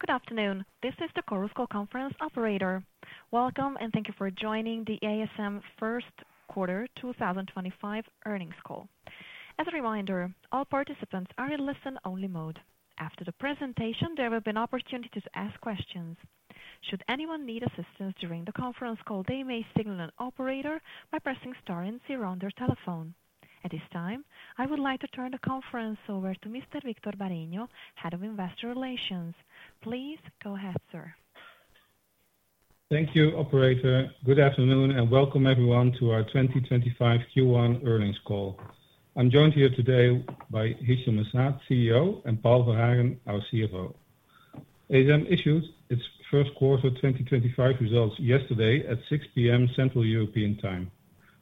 Good afternoon. This is the Chorus Call Conference Operator. Welcome, and Thank You for joining the ASM First Quarter 2025 Earnings Call. As a reminder, all participants are in listen-only mode. After the presentation, there will be an opportunity to ask questions. Should anyone need assistance during the conference call, they may signal an operator by pressing star and zero on their telephone. At this time, I would like to turn the conference over to Mr. Victor Bareño, Head of Investor Relations. Please go ahead, sir. Thank you, Operator. Good afternoon, and Welcome Everyone to our 2025 Q1 Earnings Call. I'm joined here today by Hichem M'Saad, CEO, and Paul Verhagen, our CFO. ASM issued its first quarter 2025 results yesterday at 6:00 P.M. Central European Time.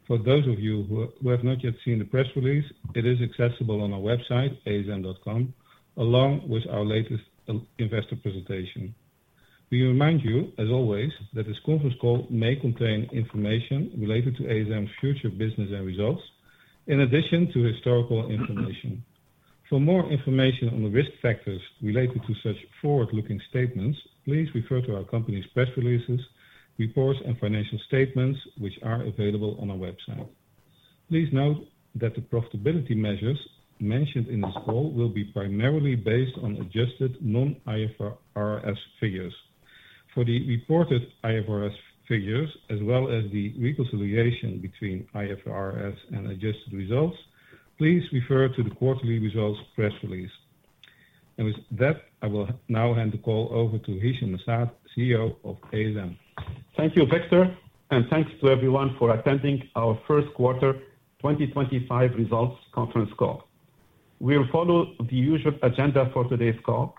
For those of you who have not yet seen the press release, it is accessible on our website, asm.com, along with our latest investor presentation. We remind you, as always, that this conference call may contain information related to ASM's future business and results, in addition to historical information. For more information on the risk factors related to such forward-looking statements, please refer to our company's press releases, reports, and financial statements, which are available on our website. Please note that the profitability measures mentioned in this call will be primarily based on adjusted non-IFRS figures. For the reported IFRS figures, as well as the reconciliation between IFRS and adjusted results, please refer to the quarterly results press release. I will now hand the call over to Hichem M'Saad, CEO of ASM. Thank you, Victor, and thanks to everyone for attending our First Quarter 2025 results conference call. We will follow the usual agenda for today's call.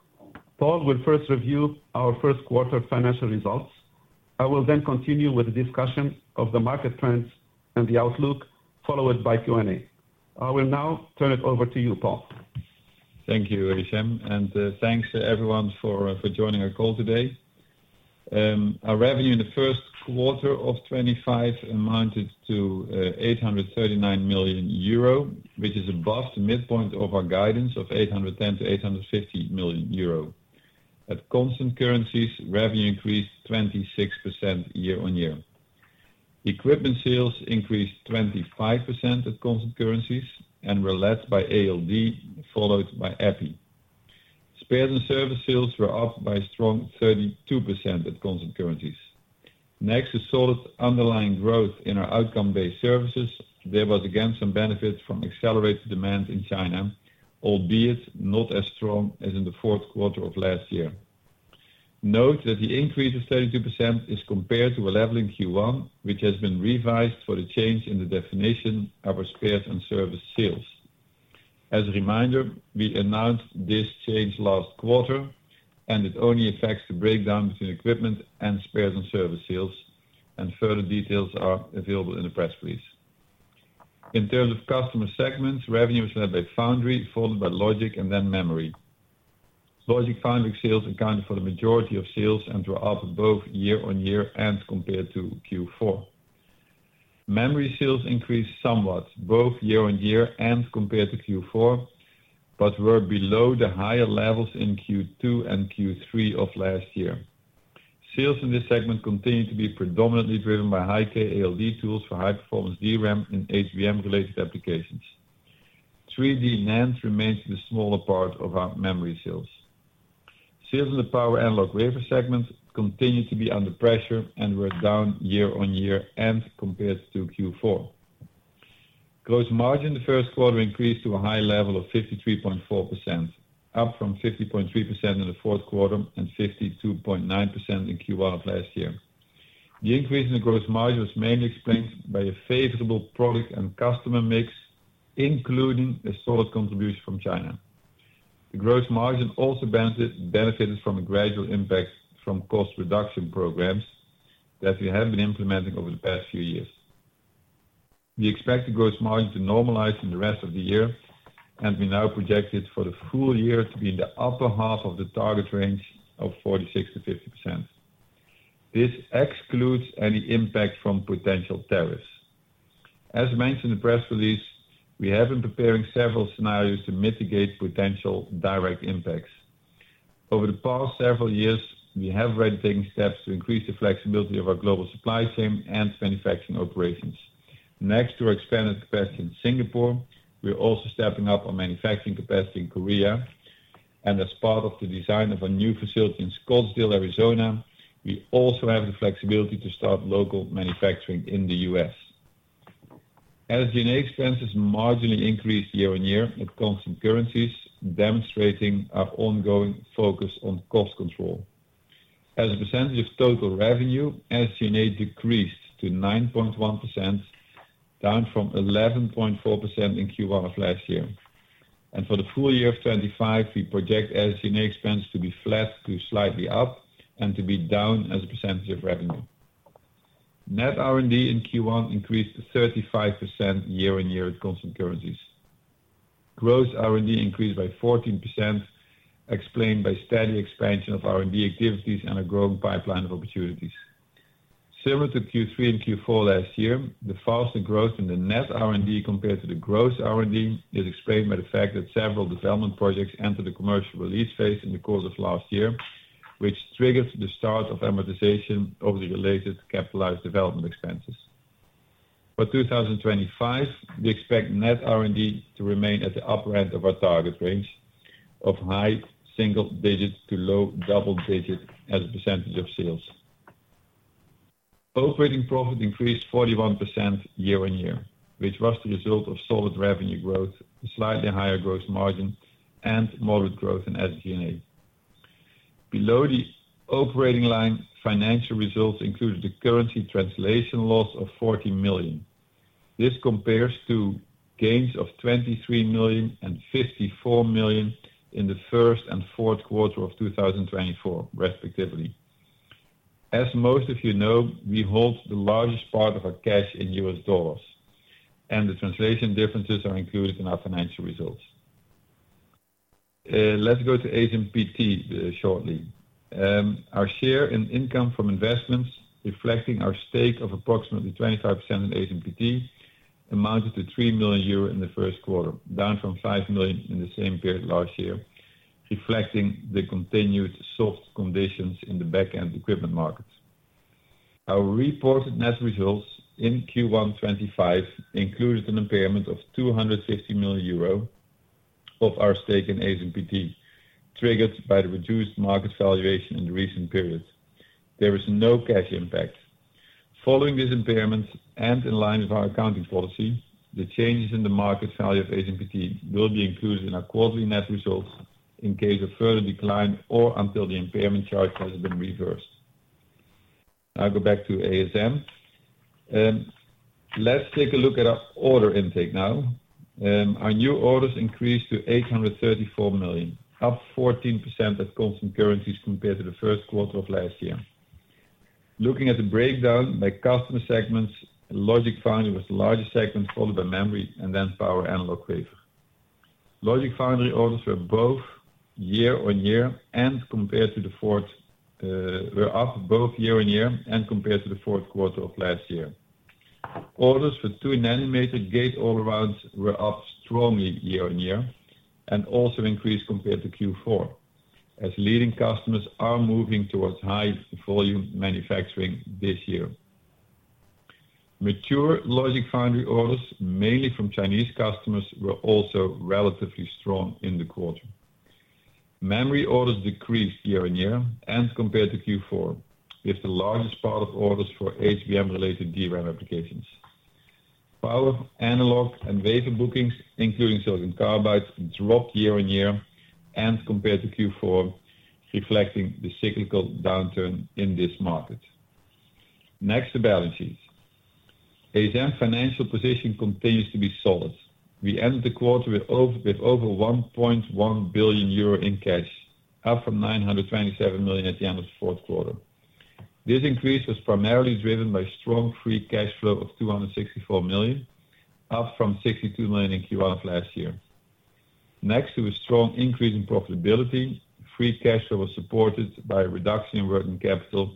Paul will first review our first quarter financial results. I will then continue with the discussion of the market trends and the outlook, followed by Q&A. I will now turn it over to you, Paul. Thank you, Hichem, and thanks to everyone for joining our call today. Our revenue in the first quarter of 2025 amounted to 839 million euro, which is above the midpoint of our guidance of 810 million-850 million euro. At constant currencies, revenue increased 26% year-on-year. Equipment sales increased 25% at constant currencies and were led by ALD, followed by Epi. Spares and services sales were up by a strong 32% at constant currencies. Next, we saw underlying growth in our outcome-based services. There was, again, some benefit from accelerated demand in China, albeit not as strong as in the fourth quarter of last year. Note that the increase of 32% is compared to a leveling Q1, which has been revised for the change in the definition of our Spares & Services sales. As a reminder, we announced this change last quarter, and it only affects the breakdown between equipment and Spares & Services sales, and further details are available in the press release. In terms of customer segments, revenue was led by foundry, followed by logic, and then memory. Logic foundry sales accounted for the majority of sales and were up both year-on-year and compared to Q4. Memory sales increased somewhat, both year-on-year and compared to Q4, but were below the higher levels in Q2 and Q3 of last year. Sales in this segment continue to be predominantly driven by high-k ALD tools for high-performance DRAM in HBM-related applications. 3D NAND remains the smaller part of our memory sales. Sales in the power/analog/wafer segment continue to be under pressure and were down year-on-year and compared to Q4. Gross margin in the first quarter increased to a high level of 53.4%, up from 50.3% in the fourth quarter and 52.9% in Q1 of last year. The increase in the gross margin was mainly explained by a favorable product and customer mix, including a solid contribution from China. The gross margin also benefited from a gradual impact from cost reduction programs that we have been implementing over the past few years. We expect the gross margin to normalize in the rest of the year, and we now project it for the full year to be in the upper half of the target range of 46-50%. This excludes any impact from potential tariffs. As mentioned in the press release, we have been preparing several scenarios to mitigate potential direct impacts. Over the past several years, we have already taken steps to increase the flexibility of our global supply chain and manufacturing operations. Next to our expanded capacity in Singapore, we're also stepping up our manufacturing capacity in Korea. As part of the design of a new facility in Scottsdale, Arizona, we also have the flexibility to start local manufacturing in the U.S. SG&A expenses marginally increased year-on-year at constant currencies, demonstrating our ongoing focus on cost control. As a percentage of total revenue, SG&A decreased to 9.1%, down from 11.4% in Q1 of last year. For the full year of 2025, we project SG&A expenses to be flat to slightly up and to be down as a percentage of revenue. Net R&D in Q1 increased 35% year-on-year at constant currencies. Gross R&D increased by 14%, explained by steady expansion of R&D activities and a growing pipeline of opportunities. Similar to Q3 and Q4 last year, the faster growth in the net R&D compared to the gross R&D is explained by the fact that several development projects entered the commercial release phase in the course of last year, which triggered the start of amortization of the related capitalized development expenses. For 2025, we expect net R&D to remain at the upper end of our target range of high single-digit to low double-digit as a percentage of sales. Operating profit increased 41% year-on-year, which was the result of solid revenue growth, slightly higher gross margin, and moderate growth in SG&A. Below the operating line, financial results included a currency translation loss of 40 million. This compares to gains of $23 million and $54 million in the first and fourth quarter of 2024, respectively. As most of you know, we hold the largest part of our cash in US dollars, and the translation differences are included in our financial results. Let's go to ASMPT shortly. Our share in income from investments, reflecting our stake of approximately 25% in ASMPT, amounted to 3 million euro in the first quarter, down from 5 million in the same period last year, reflecting the continued soft conditions in the back-end equipment markets. Our reported net results in Q1 2025 included an impairment of 250 million euro of our stake in ASMPT, triggered by the reduced market valuation in the recent period. There was no cash impact. Following these impairments, and in line with our accounting policy, the changes in the market value of ASMPT will be included in our quarterly net results in case of further decline or until the impairment charge has been reversed. I'll go back to ASM. Let's take a look at our order intake now. Our new orders increased to 834 million, up 14% at constant currencies compared to the first quarter of last year. Looking at the breakdown by customer segments, logic foundry was the largest segment, followed by memory and then power/analog/wafer. Logic foundry orders were both year-on-year and compared to the fourth were up both year-on-year and compared to the fourth quarter of last year. Orders for 2 nanometer gate-all-arounds were up strongly year-on-year and also increased compared to Q4, as leading customers are moving towards high-volume manufacturing this year. Mature logic foundry orders, mainly from Chinese customers, were also relatively strong in the quarter. Memory orders decreased year-on-year and compared to Q4, with the largest part of orders for HBM-related DRAM applications. Power analog and wafer bookings, including silicon carbide, dropped year-on-year and compared to Q4, reflecting the cyclical downturn in this market. Next, the balance sheet. ASM's financial position continues to be solid. We ended the quarter with over 1.1 billion euro in cash, up from 927 million at the end of the fourth quarter. This increase was primarily driven by strong free cash flow of 264 million, up from 62 million in Q1 of last year. Next to a strong increase in profitability, free cash flow was supported by a reduction in working capital,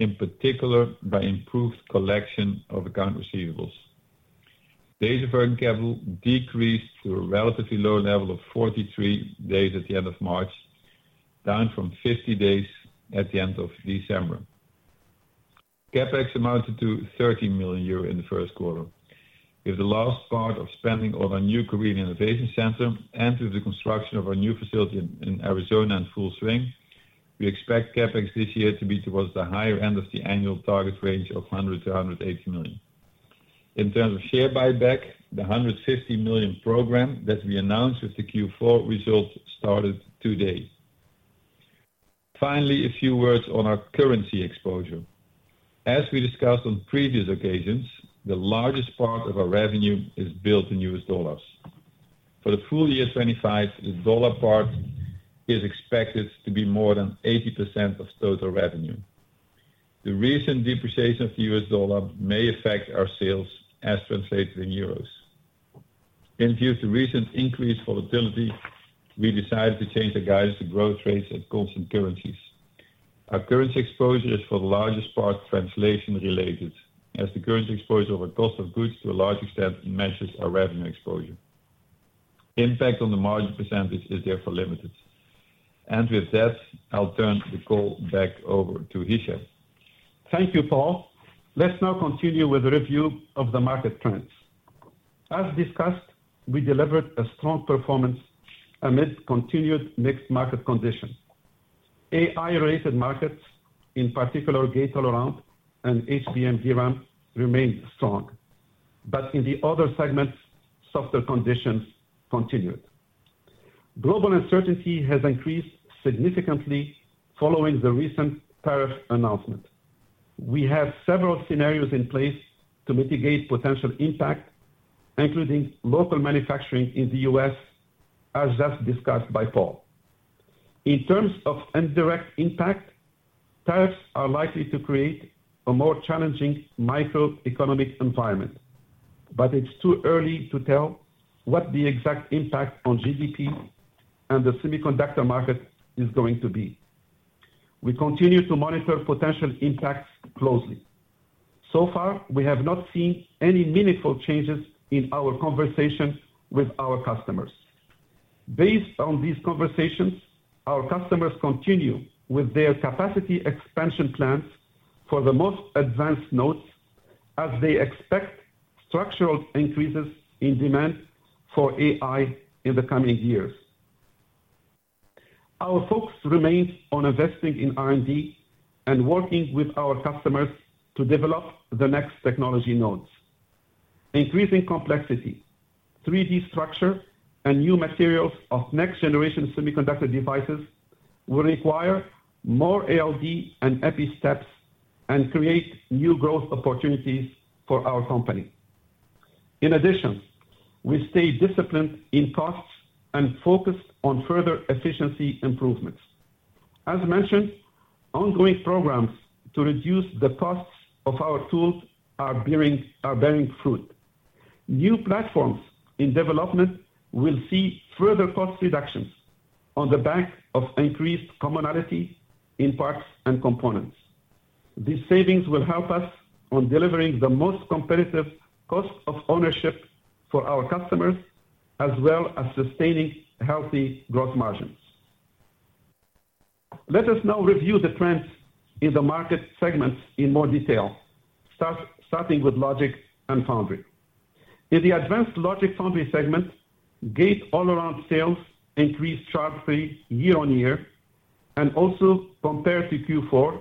in particular by improved collection of account receivables. Days of working capital decreased to a relatively low level of 43 days at the end of March, down from 50 days at the end of December. CapEx amounted to 30 million euro in the first quarter. With the last part of spending on our new Korean innovation center and with the construction of our new facility in Arizona in full swing, we expect CapEx this year to be towards the higher end of the annual target range of 100-180 million. In terms of share buyback, the 150 million program that we announced with the Q4 result started today. Finally, a few words on our currency exposure. As we discussed on previous occasions, the largest part of our revenue is built in US dollars. For the full year 2025, the dollar part is expected to be more than 80% of total revenue. The recent depreciation of the US dollar may affect our sales, as translated in euros. In view of the recent increased volatility, we decided to change our guidance to growth rates at constant currencies. Our currency exposure is for the largest part translation-related, as the currency exposure of our cost of goods to a large extent measures our revenue exposure. Impact on the margin percentage is therefore limited. With that, I'll turn the call back over to Hichem. Thank you, Paul. Let's now continue with a review of the market trends. As discussed, we delivered a strong performance amid continued mixed market conditions. AI-related markets, in particular gate all-around and HBM DRAM, remained strong, but in the other segments, softer conditions continued. Global uncertainty has increased significantly following the recent tariff announcement. We have several scenarios in place to mitigate potential impact, including local manufacturing in the US, as just discussed by Paul. In terms of indirect impact, tariffs are likely to create a more challenging microeconomic environment, but it's too early to tell what the exact impact on GDP and the semiconductor market is going to be. We continue to monitor potential impacts closely. So far, we have not seen any meaningful changes in our conversation with our customers. Based on these conversations, our customers continue with their capacity expansion plans for the most advanced nodes, as they expect structural increases in demand for AI in the coming years. Our focus remains on investing in R&D and working with our customers to develop the next technology nodes. Increasing complexity, 3D structure, and new materials of next-generation semiconductor devices will require more ALD and Epi steps and create new growth opportunities for our company. In addition, we stay disciplined in costs and focus on further efficiency improvements. As mentioned, ongoing programs to reduce the costs of our tools are bearing fruit. New platforms in development will see further cost reductions on the back of increased commonality in parts and components. These savings will help us on delivering the most competitive cost of ownership for our customers, as well as sustaining healthy gross margins. Let us now review the trends in the market segments in more detail, starting with logic and foundry. In the advanced logic foundry segment, gate all-around sales increased sharply year-on-year, and also compared to Q4,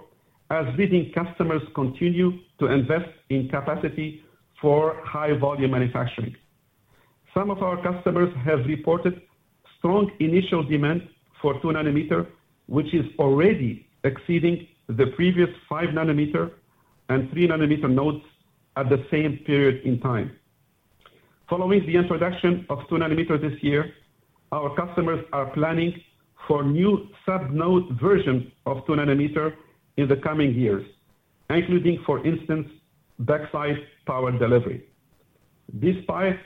as leading customers continue to invest in capacity for high-volume manufacturing. Some of our customers have reported strong initial demand for two nanometers, which is already exceeding the previous five-nanometer and three-nanometer nodes at the same period in time. Following the introduction of two nanometers this year, our customers are planning for new sub-node versions of two nanometers in the coming years, including, for instance, backside power delivery. Despite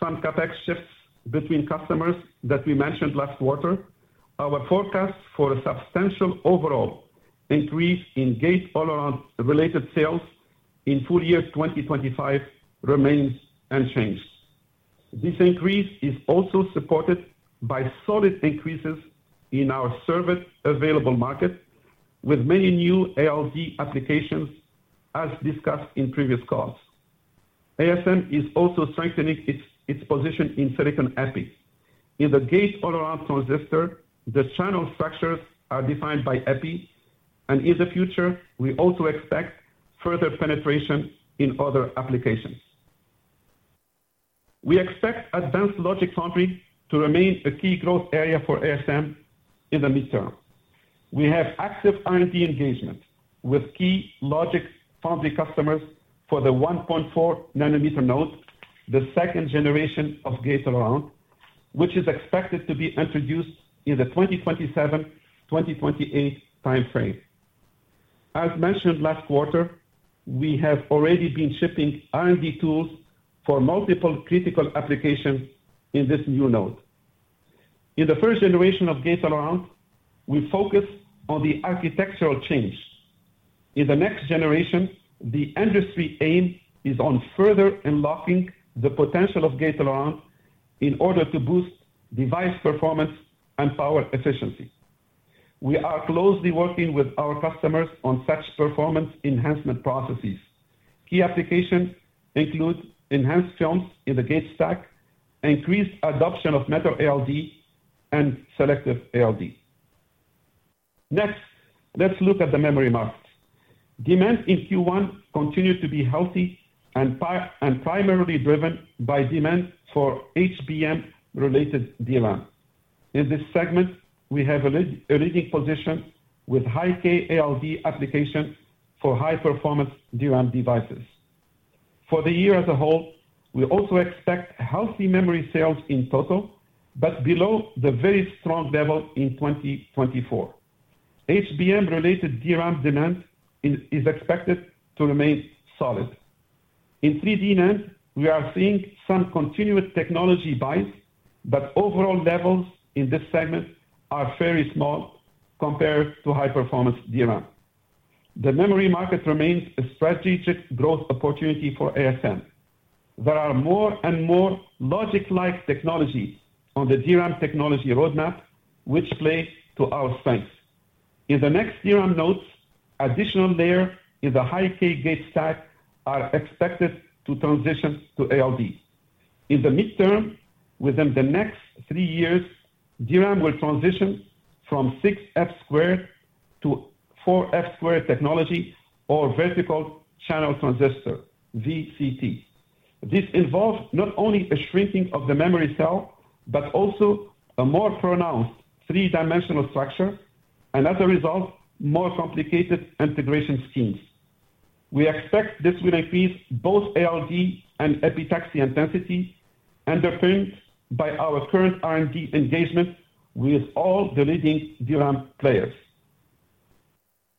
some CapEx shifts between customers that we mentioned last quarter, our forecast for a substantial overall increase in gate all-around related sales in full year 2025 remains unchanged. This increase is also supported by solid increases in our served available market, with many new ALD applications, as discussed in previous calls. ASM is also strengthening its position in silicon Epi. In the gate-all-around transistor, the channel structures are defined by Epi, and in the future, we also expect further penetration in other applications. We expect advanced logic foundry to remain a key growth area for ASM in the midterm. We have active R&D engagement with key logic foundry customers for the 1.4-nanometer node, the second generation of gate-all-around, which is expected to be introduced in the 2027-2028 timeframe. As mentioned last quarter, we have already been shipping R&D tools for multiple critical applications in this new node. In the first generation of gate-all-around, we focus on the architectural change. In the next generation, the industry aim is on further unlocking the potential of gate-all-around in order to boost device performance and power efficiency. We are closely working with our customers on such performance enhancement processes. Key applications include enhanced films in the gate stack, increased adoption of metal ALD, and selective ALD. Next, let's look at the memory markets. Demand in Q1 continued to be healthy and primarily driven by demand for HBM-related DRAM. In this segment, we have a leading position with high-K ALD application for high-performance DRAM devices. For the year as a whole, we also expect healthy memory sales in total, but below the very strong level in 2024. HBM-related DRAM demand is expected to remain solid. In 3D NAND, we are seeing some continued technology buys, but overall levels in this segment are fairly small compared to high-performance DRAM. The memory market remains a strategic growth opportunity for ASM. There are more and more logic-like technologies on the DRAM technology roadmap, which plays to our strength. In the next DRAM nodes, additional layers in the high-K gate stack are expected to transition to ALD. In the midterm, within the next three years, DRAM will transition from 6F squared to 4F squared technology or vertical channel transistor, VCT. This involves not only a shrinking of the memory cell, but also a more pronounced three-dimensional structure, and as a result, more complicated integration schemes. We expect this will increase both ALD and Epi tax intensity underpinned by our current R&D engagement with all the leading DRAM players.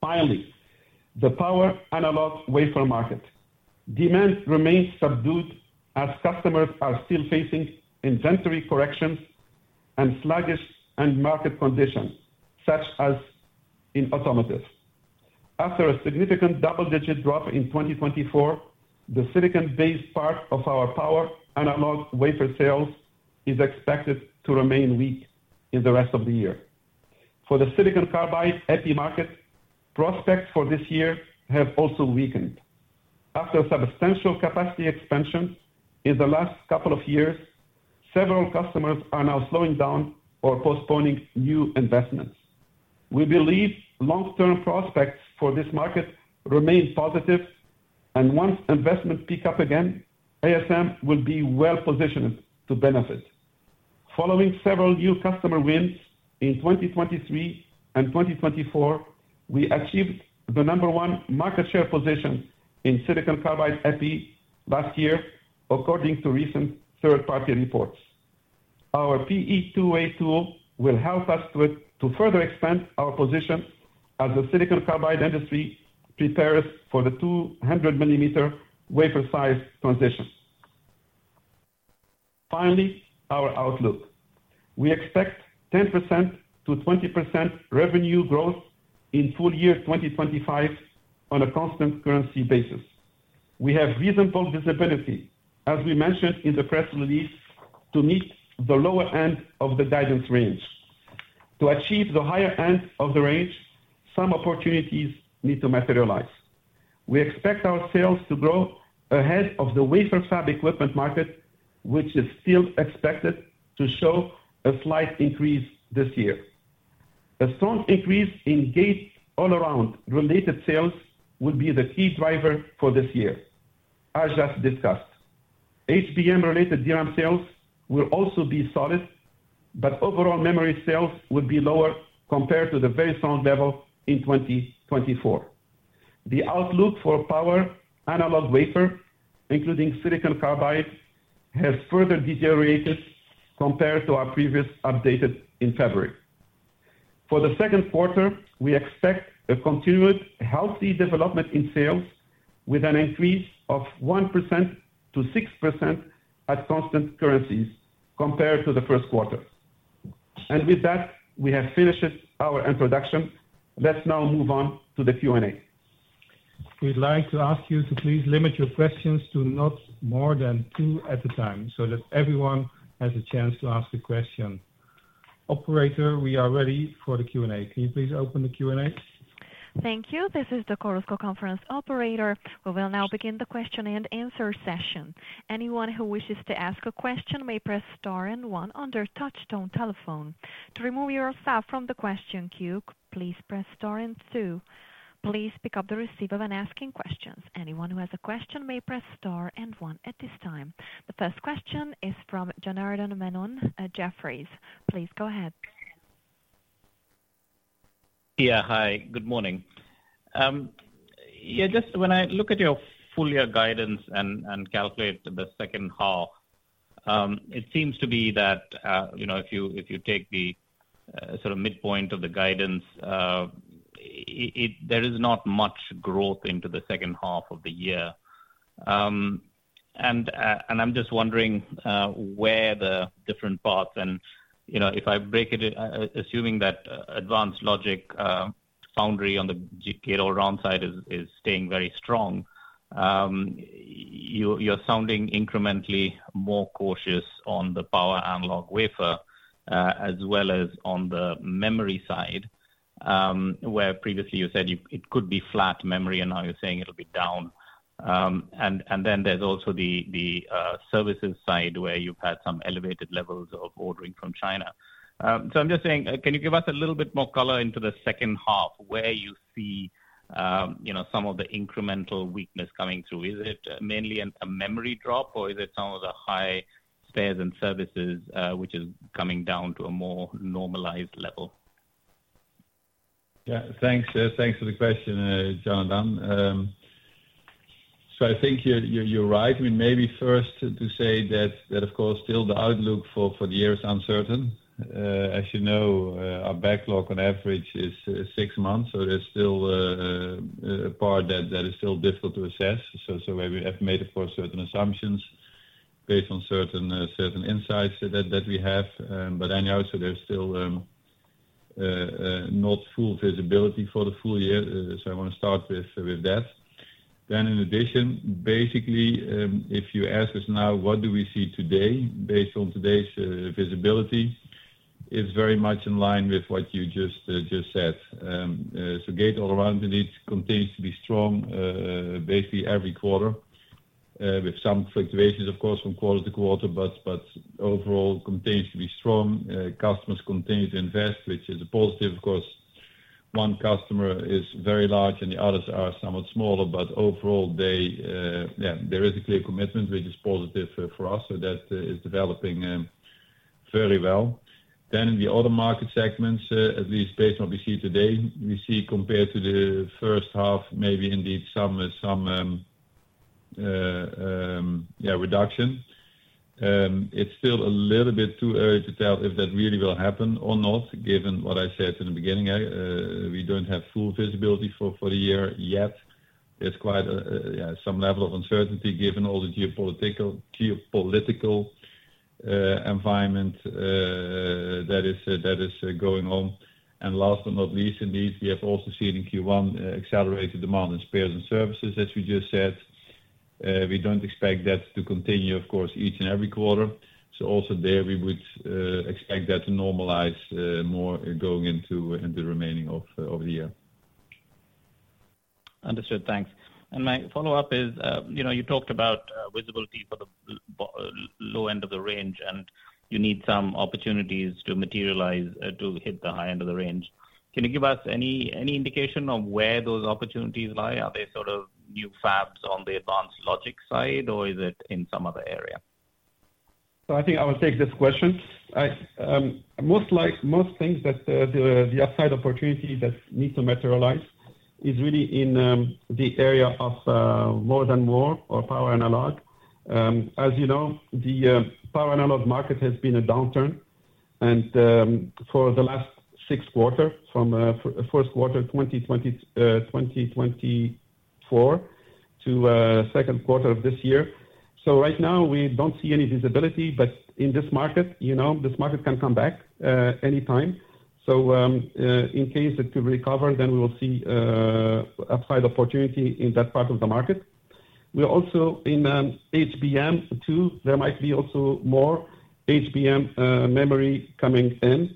Finally, the power/analog/wafer market. Demand remains subdued as customers are still facing inventory corrections and sluggish end market conditions, such as in automotive. After a significant double-digit drop in 2024, the silicon-based part of our power/analog/wafer sales is expected to remain weak in the rest of the year. For the silicon carbide Epi market, prospects for this year have also weakened. After substantial capacity expansion in the last couple of years, several customers are now slowing down or postponing new investments. We believe long-term prospects for this market remain positive, and once investments pick up again, ASM will be well-positioned to benefit. Following several new customer wins in 2023 and 2024, we achieved the number one market share position in silicon carbide Epi last year, according to recent third-party reports. Our PE2A tool will help us to further expand our position as the silicon carbide industry prepares for the 200 mm wafer size transition. Finally, our outlook. We expect 10%-20% revenue growth in full year 2025 on a constant currency basis. We have reasonable visibility, as we mentioned in the press release, to meet the lower end of the guidance range. To achieve the higher end of the range, some opportunities need to materialize. We expect our sales to grow ahead of the wafer fab equipment market, which is still expected to show a slight increase this year. A strong increase in gate-all-around related sales will be the key driver for this year, as just discussed. HBM-related DRAM sales will also be solid, but overall memory sales will be lower compared to the very strong level in 2023. The outlook for power/analog/wafer, including silicon carbide, has further deteriorated compared to our previous update in February. For the second quarter, we expect a continued healthy development in sales, with an increase of 1%-6% at constant currencies compared to the first quarter. We have finished our introduction. Let's now move on to the Q&A. We'd like to ask you to please limit your questions to not more than two at a time so that everyone has a chance to ask a question. Operator, we are ready for the Q&A. Can you please open the Q&A? Thank you. This is the Chorus Call conference operator. We will now begin the question and answer session. Anyone who wishes to ask a question may press star and one on your touch-tone telephone. To remove yourself from the question queue, please press star and two. Please pick up the receiver when asking questions. Anyone who has a question may press star and one at this time. The first question is from Janardan Menon at Jefferies. Please go ahead. Yeah, hi. Good morning. Yeah, just when I look at your full year guidance and calculate the second half, it seems to be that if you take the sort of midpoint of the guidance, there is not much growth into the second half of the year. I'm just wondering where the different parts and if I break it, assuming that advanced logic foundry on the gate-all-around side is staying very strong, you're sounding incrementally more cautious on the power/analog/wafer, as well as on the memory side, where previously you said it could be flat memory, and now you're saying it'll be down. There is also the services side where you've had some elevated levels of ordering from China. I'm just saying, can you give us a little bit more color into the second half, where you see some of the incremental weakness coming through? Is it mainly a memory drop, or is it some of the high spares and services, which is coming down to a more normalized level? Yeah, thanks. Thanks for the question, Jonathan. I think you're right. Maybe first to say that, of course, still the outlook for the year is uncertain. As you know, our backlog on average is six months, so there's still a part that is still difficult to assess. We have made, of course, certain assumptions based on certain insights that we have. Anyhow, there's still not full visibility for the full year. I want to start with that. In addition, basically, if you ask us now, what do we see today based on today's visibility, it's very much in line with what you just said. Gate-all-around indeed continues to be strong, basically every quarter, with some fluctuations, of course, from quarter to quarter, but overall continues to be strong. Customers continue to invest, which is a positive. Of course, one customer is very large, and the others are somewhat smaller, but overall, yeah, there is a clear commitment, which is positive for us, so that is developing very well. In the other market segments, at least based on what we see today, we see compared to the first half, maybe indeed some reduction. It's still a little bit too early to tell if that really will happen or not, given what I said in the beginning. We don't have full visibility for the year yet. There's quite some level of uncertainty given all the geopolitical environment that is going on. Last but not least, indeed, we have also seen in Q1 accelerated demand in spares and services, as we just said. We don't expect that to continue, of course, each and every quarter. Also there, we would expect that to normalize more going into the remaining of the year. Understood. Thanks. My follow-up is you talked about visibility for the low end of the range, and you need some opportunities to materialize to hit the high end of the range. Can you give us any indication of where those opportunities lie? Are they sort of new fabs on the advanced logic side, or is it in some other area? I think I will take this question. Most things that the upside opportunity that needs to materialize is really in the area of More-than-Moore or power/analog. As you know, the power/analog/market has been a downturn for the last six quarters, from first quarter 2024 to second quarter of this year. Right now, we do not see any visibility, but in this market, this market can come back any time. In case it could recover, then we will see upside opportunity in that part of the market. We are also in HBM, too. There might be also more HBM memory coming in.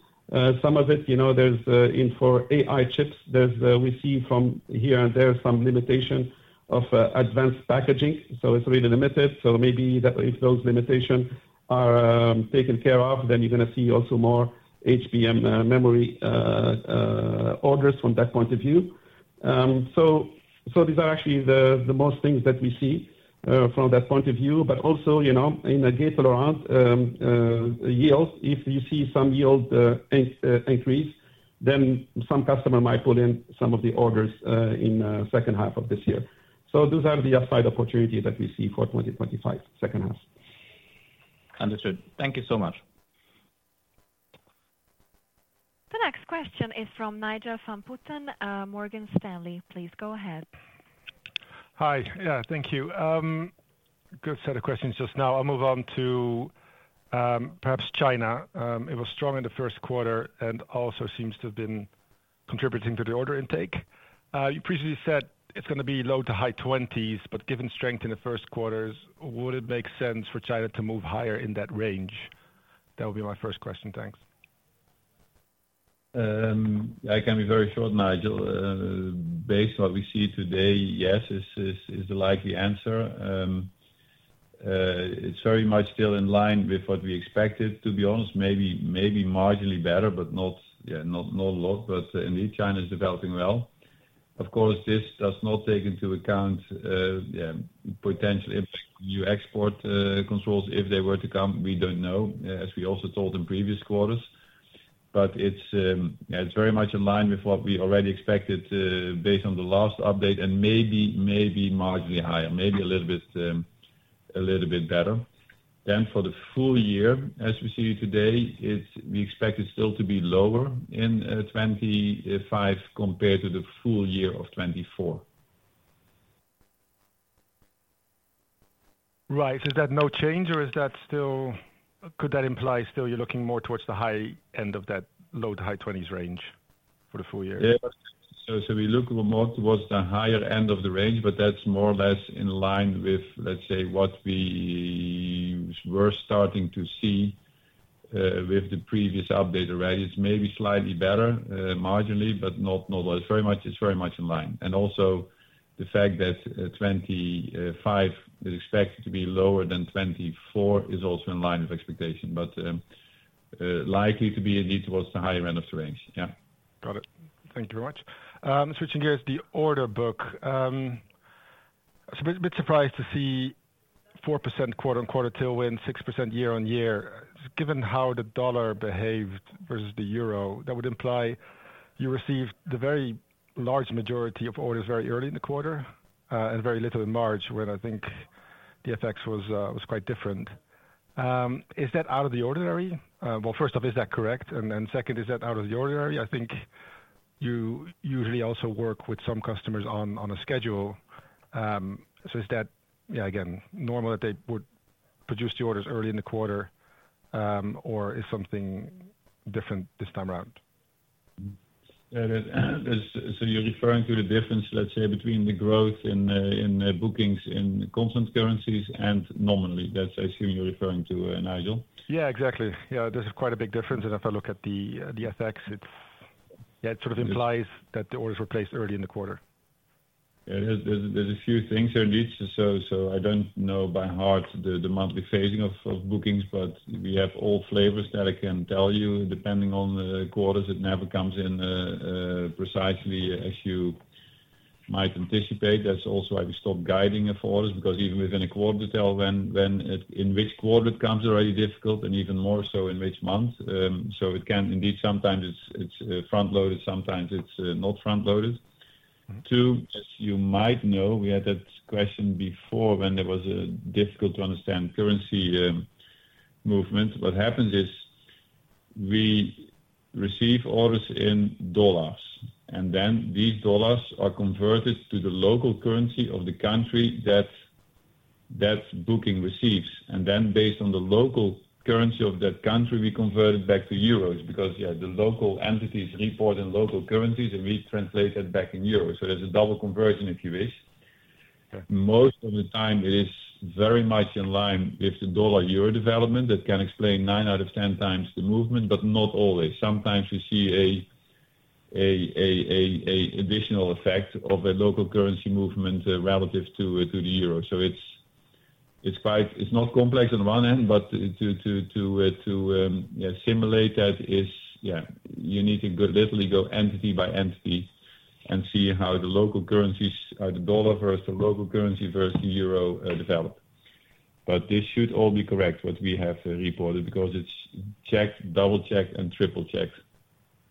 Some of it, there is in for AI chips. We see from here and there some limitation of advanced packaging. It is really limited. If those limitations are taken care of, then you're going to see also more HBM memory orders from that point of view. These are actually the most things that we see from that point of view. Also in the gate-all-around yield, if you see some yield increase, then some customer might pull in some of the orders in the second half of this year. Those are the upside opportunities that we see for 2025 second half. Understood. Thank you so much. The next question is from Nigel van Putten, Morgan Stanley. Please go ahead. Hi. Yeah, thank you. Good set of questions just now. I'll move on to perhaps China. It was strong in the first quarter and also seems to have been contributing to the order intake. You previously said it's going to be low to high 20s, but given strength in the first quarters, would it make sense for China to move higher in that range? That would be my first question. Thanks. I can be very short, Nigel. Based on what we see today, yes, is the likely answer. It's very much still in line with what we expected, to be honest. Maybe marginally better, but not a lot. Indeed, China is developing well. Of course, this does not take into account potential impact on new export controls if they were to come. We don't know, as we also told in previous quarters. It's very much in line with what we already expected based on the last update and maybe marginally higher, maybe a little bit better. For the full year, as we see today, we expect it still to be lower in 2025 compared to the full year of 2024. Right. Is that no change, or could that imply still you're looking more towards the high end of that low to high 20% range for the full year? Yeah. We look more towards the higher end of the range, but that's more or less in line with, let's say, what we were starting to see with the previous update already. It's maybe slightly better marginally, but not very much. It's very much in line. Also, the fact that 2025 is expected to be lower than 2024 is also in line with expectation, but likely to be indeed towards the higher end of the range. Yeah. Got it. Thank you very much. Switching gears, the order book. A bit surprised to see 4% "till win," 6% year-on-year. Given how the dollar behaved versus the euro, that would imply you received the very large majority of orders very early in the quarter and very little in March, when I think the effects was quite different. Is that out of the ordinary? First off, is that correct? Second, is that out of the ordinary? I think you usually also work with some customers on a schedule. Is that, yeah, again, normal that they would produce the orders early in the quarter, or is something different this time around? You're referring to the difference, let's say, between the growth in bookings in constant currencies and normally. That's assuming you're referring to Nigel. Yeah, exactly. Yeah. There's quite a big difference. If I look at the FX, it sort of implies that the orders were placed early in the quarter. are a few things here indeed. I do not know by heart the monthly phasing of bookings, but we have all flavors that I can tell you. Depending on the quarters, it never comes in precisely as you might anticipate. That is also why we stop guiding for orders, because even within a quarter to tell when in which quarter it comes is already difficult, and even more so in which month. It can indeed sometimes be front-loaded, sometimes it is not front-loaded. Two, as you might know, we had that question before when there was a difficult-to-understand currency movement. What happens is we receive orders in dollars, and then these dollars are converted to the local currency of the country that booking receives. Based on the local currency of that country, we convert it back to euros, because, yeah, the local entities report in local currencies, and we translate that back in euros. There is a double conversion if you wish. Most of the time, it is very much in line with the dollar-euro development that can explain 9 out of 10 times the movement, but not always. Sometimes we see an additional effect of a local currency movement relative to the euro. It is not complex on one end, but to simulate that is, yeah, you need to literally go entity by entity and see how the local currencies, how the dollar versus the local currency versus the euro develop. This should all be correct, what we have reported, because it is checked, double-checked, and triple-checked.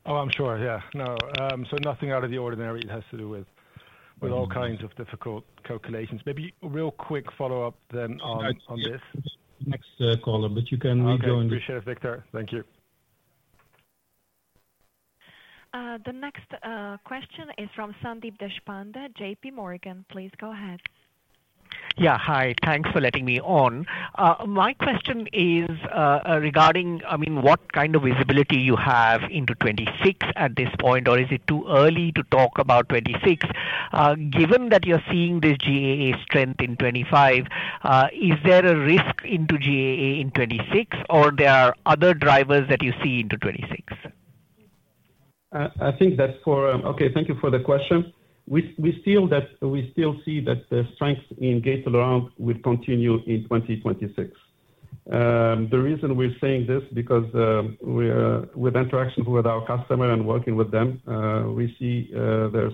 Oh, I'm sure. Yeah. No. Nothing out of the ordinary. It has to do with all kinds of difficult calculations. Maybe real quick follow-up then on this. Next caller, but you can rejoin. Appreciate it, Victor. Thank you. The next question is from Sandeep Deshpande, JP Morgan. Please go ahead. Yeah. Hi. Thanks for letting me on. My question is regarding, I mean, what kind of visibility you have into 2026 at this point, or is it too early to talk about 2026? Given that you're seeing this GAA strength in 2025, is there a risk into GAA in 2026, or there are other drivers that you see into 2026? I think that's okay. Thank you for the question. We still see that the strength in gate-all-around will continue in 2026. The reason we're saying this is because with interaction with our customer and working with them, we see that there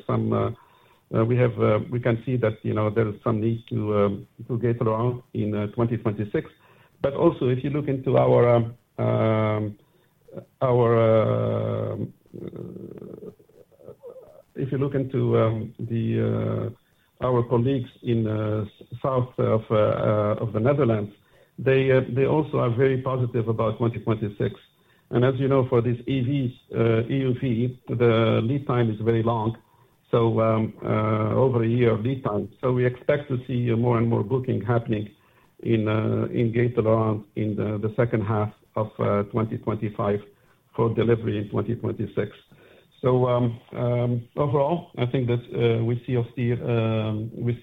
is some need for gate-all-around in 2026. Also, if you look into our colleagues in the south of the Netherlands, they also are very positive about 2026. As you know, for these EUV, the lead time is very long, over a year of lead time. We expect to see more and more booking happening in gate-all-around in the second half of 2025 for delivery in 2026. Overall, I think that we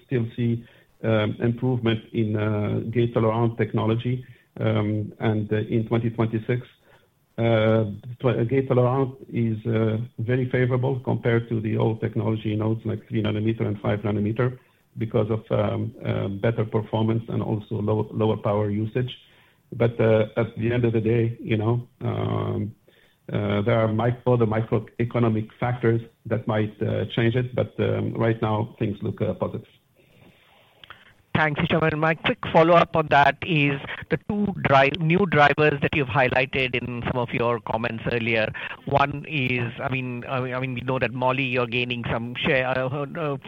still see improvement in gate-all-around technology. In 2026, gate-all-around is very favorable compared to the old technology nodes like 3 nanometer and 5 nanometer because of better performance and also lower power usage. At the end of the day, there are other microeconomic factors that might change it, but right now, things look positive. Thanks, John. My quick follow-up on that is the two new drivers that you've highlighted in some of your comments earlier. I mean, we know that, you know, you're gaining some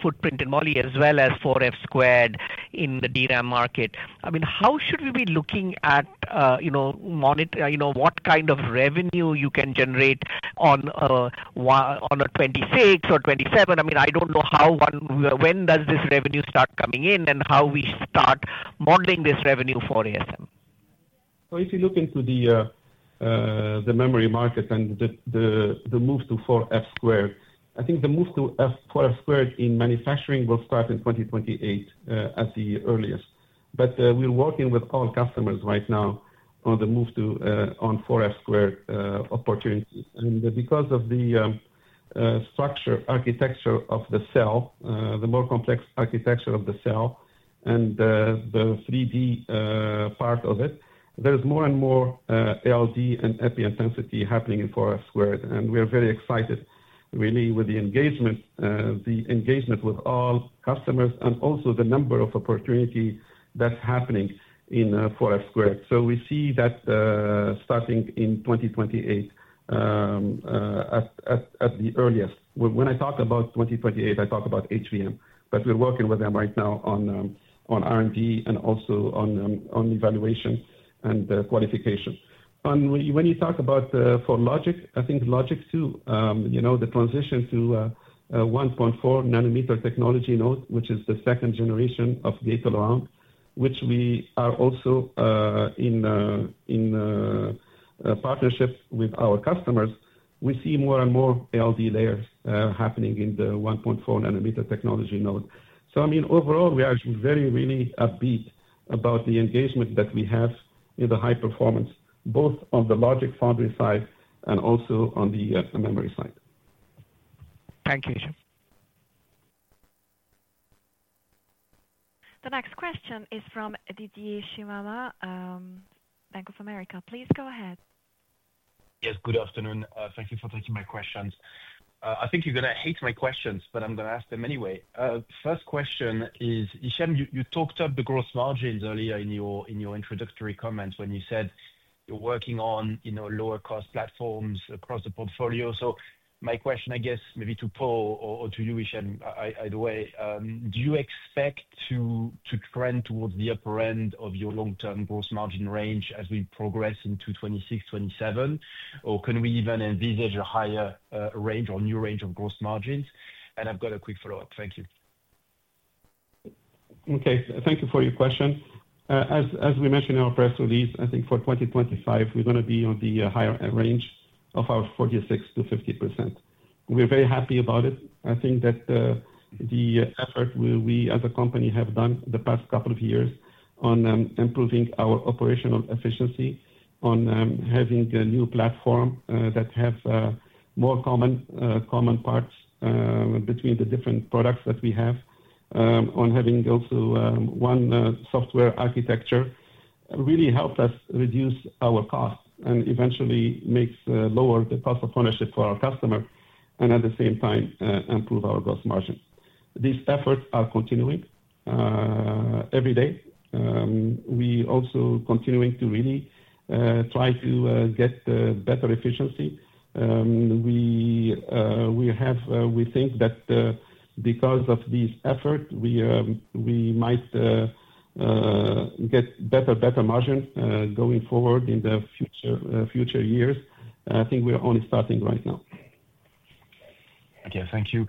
footprint in moly as well as 4F squared in the DRAM market. I mean, how should we be looking at what kind of revenue you can generate on a '26 or '27? I mean, I don't know how when does this revenue start coming in and how we start modeling this revenue for ASM? If you look into the memory market and the move to 4F squared, I think the move to 4F squared in manufacturing will start in 2028 at the earliest. We are working with all customers right now on the move to 4F squared opportunity. Because of the structure, architecture of the cell, the more complex architecture of the cell and the 3D part of it, there is more and more ALD and Epi intensity happening in 4F squared. We are very excited, really, with the engagement with all customers and also the number of opportunities that is happening in 4F squared. We see that starting in 2028 at the earliest. When I talk about 2028, I talk about HBM, but we are working with them right now on R&D and also on evaluation and qualification. When you talk about for logic, I think logic, too, the transition to 1.4 nanometer technology node, which is the second generation of gate-all-around, which we are also in partnership with our customers, we see more and more ALD layers happening in the 1.4 nanometer technology node. I mean, overall, we are very, really upbeat about the engagement that we have in the high performance, both on the logic foundry side and also on the memory side. Thank you, John. The next question is from Didier Scemama, Bank of America. Please go ahead. Yes. Good afternoon. Thank you for taking my questions. I think you're going to hate my questions, but I'm going to ask them anyway. First question is, Hichem, you talked up the gross margins earlier in your introductory comments when you said you're working on lower-cost platforms across the portfolio. My question, I guess, maybe to Paul or to you, Hichem, either way, do you expect to trend towards the upper end of your long-term gross margin range as we progress into 2026, 2027, or can we even envisage a higher range or new range of gross margins? I have a quick follow-up. Thank you. Okay. Thank you for your question. As we mentioned in our press release, I think for 2025, we're going to be on the higher end range of our 46-50%. We're very happy about it. I think that the effort we, as a company, have done the past couple of years on improving our operational efficiency, on having a new platform that has more common parts between the different products that we have, on having also one software architecture really helped us reduce our cost and eventually lower the cost of ownership for our customer, and at the same time, improve our gross margin. These efforts are continuing every day. We are also continuing to really try to get better efficiency. We think that because of these efforts, we might get better margin going forward in the future years. I think we're only starting right now. Okay. Thank you.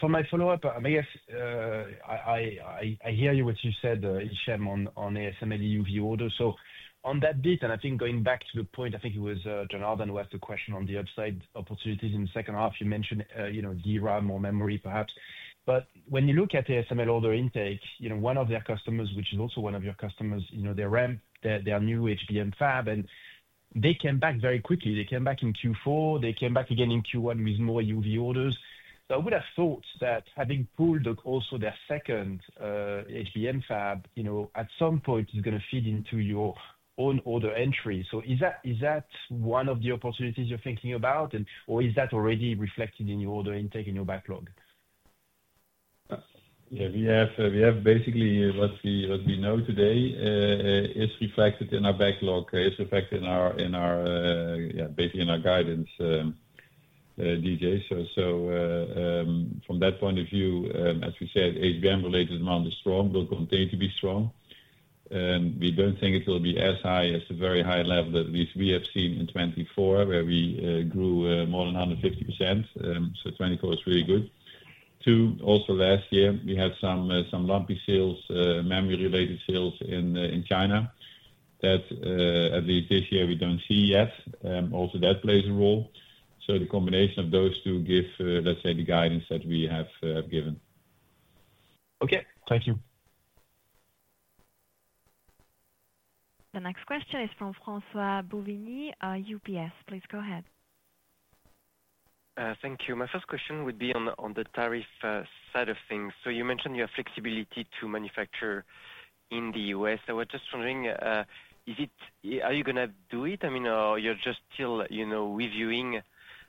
For my follow-up, I guess I hear you, what you said, Hichem, on ASML EUV orders. On that beat, and I think going back to the point, I think it was Janardan who asked a question on the upside opportunities in the second half. You mentioned DRAM or memory, perhaps. When you look at ASML order intake, one of their customers, which is also one of your customers, they're REM, their new HBM fab, and they came back very quickly. They came back in Q4. They came back again in Q1 with more EUV orders. I would have thought that having pulled also their second HBM fab, at some point, is going to feed into your own order entry. Is that one of the opportunities you're thinking about, or is that already reflected in your order intake, in your backlog? Yeah. We have basically what we know today is reflected in our backlog, is reflected in our basically in our guidance, Didier. From that point of view, as we said, HBM-related demand is strong, will continue to be strong. We do not think it will be as high as the very high level that at least we have seen in 2024, where we grew more than 150%. 2024 is really good. Two, also last year, we had some lumpy sales, memory-related sales in China that at least this year we do not see yet. Also, that plays a role. The combination of those two gives, let's say, the guidance that we have given. Okay. Thank you. The next question is from François Bouvignies, UBS. Please go ahead. Thank you. My first question would be on the tariff side of things. You mentioned your flexibility to manufacture in the U.S. I was just wondering, are you going to do it? I mean, or you're just still reviewing?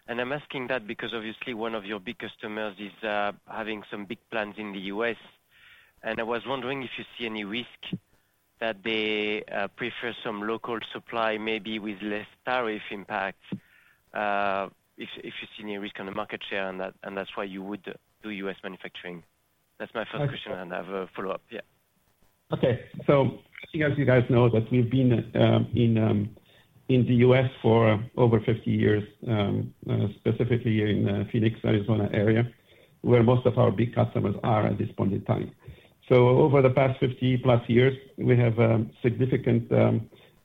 I am asking that because, obviously, one of your big customers is having some big plans in the U.S. I was wondering if you see any risk that they prefer some local supply, maybe with less tariff impact, if you see any risk on the market share, and that's why you would do U.S. manufacturing. That's my first question, and I have a follow-up. Yeah. Okay. I think, as you guys know, that we've been in the US for over 50 years, specifically in the Phoenix, Arizona area, where most of our big customers are at this point in time. Over the past 50-plus years, we have significant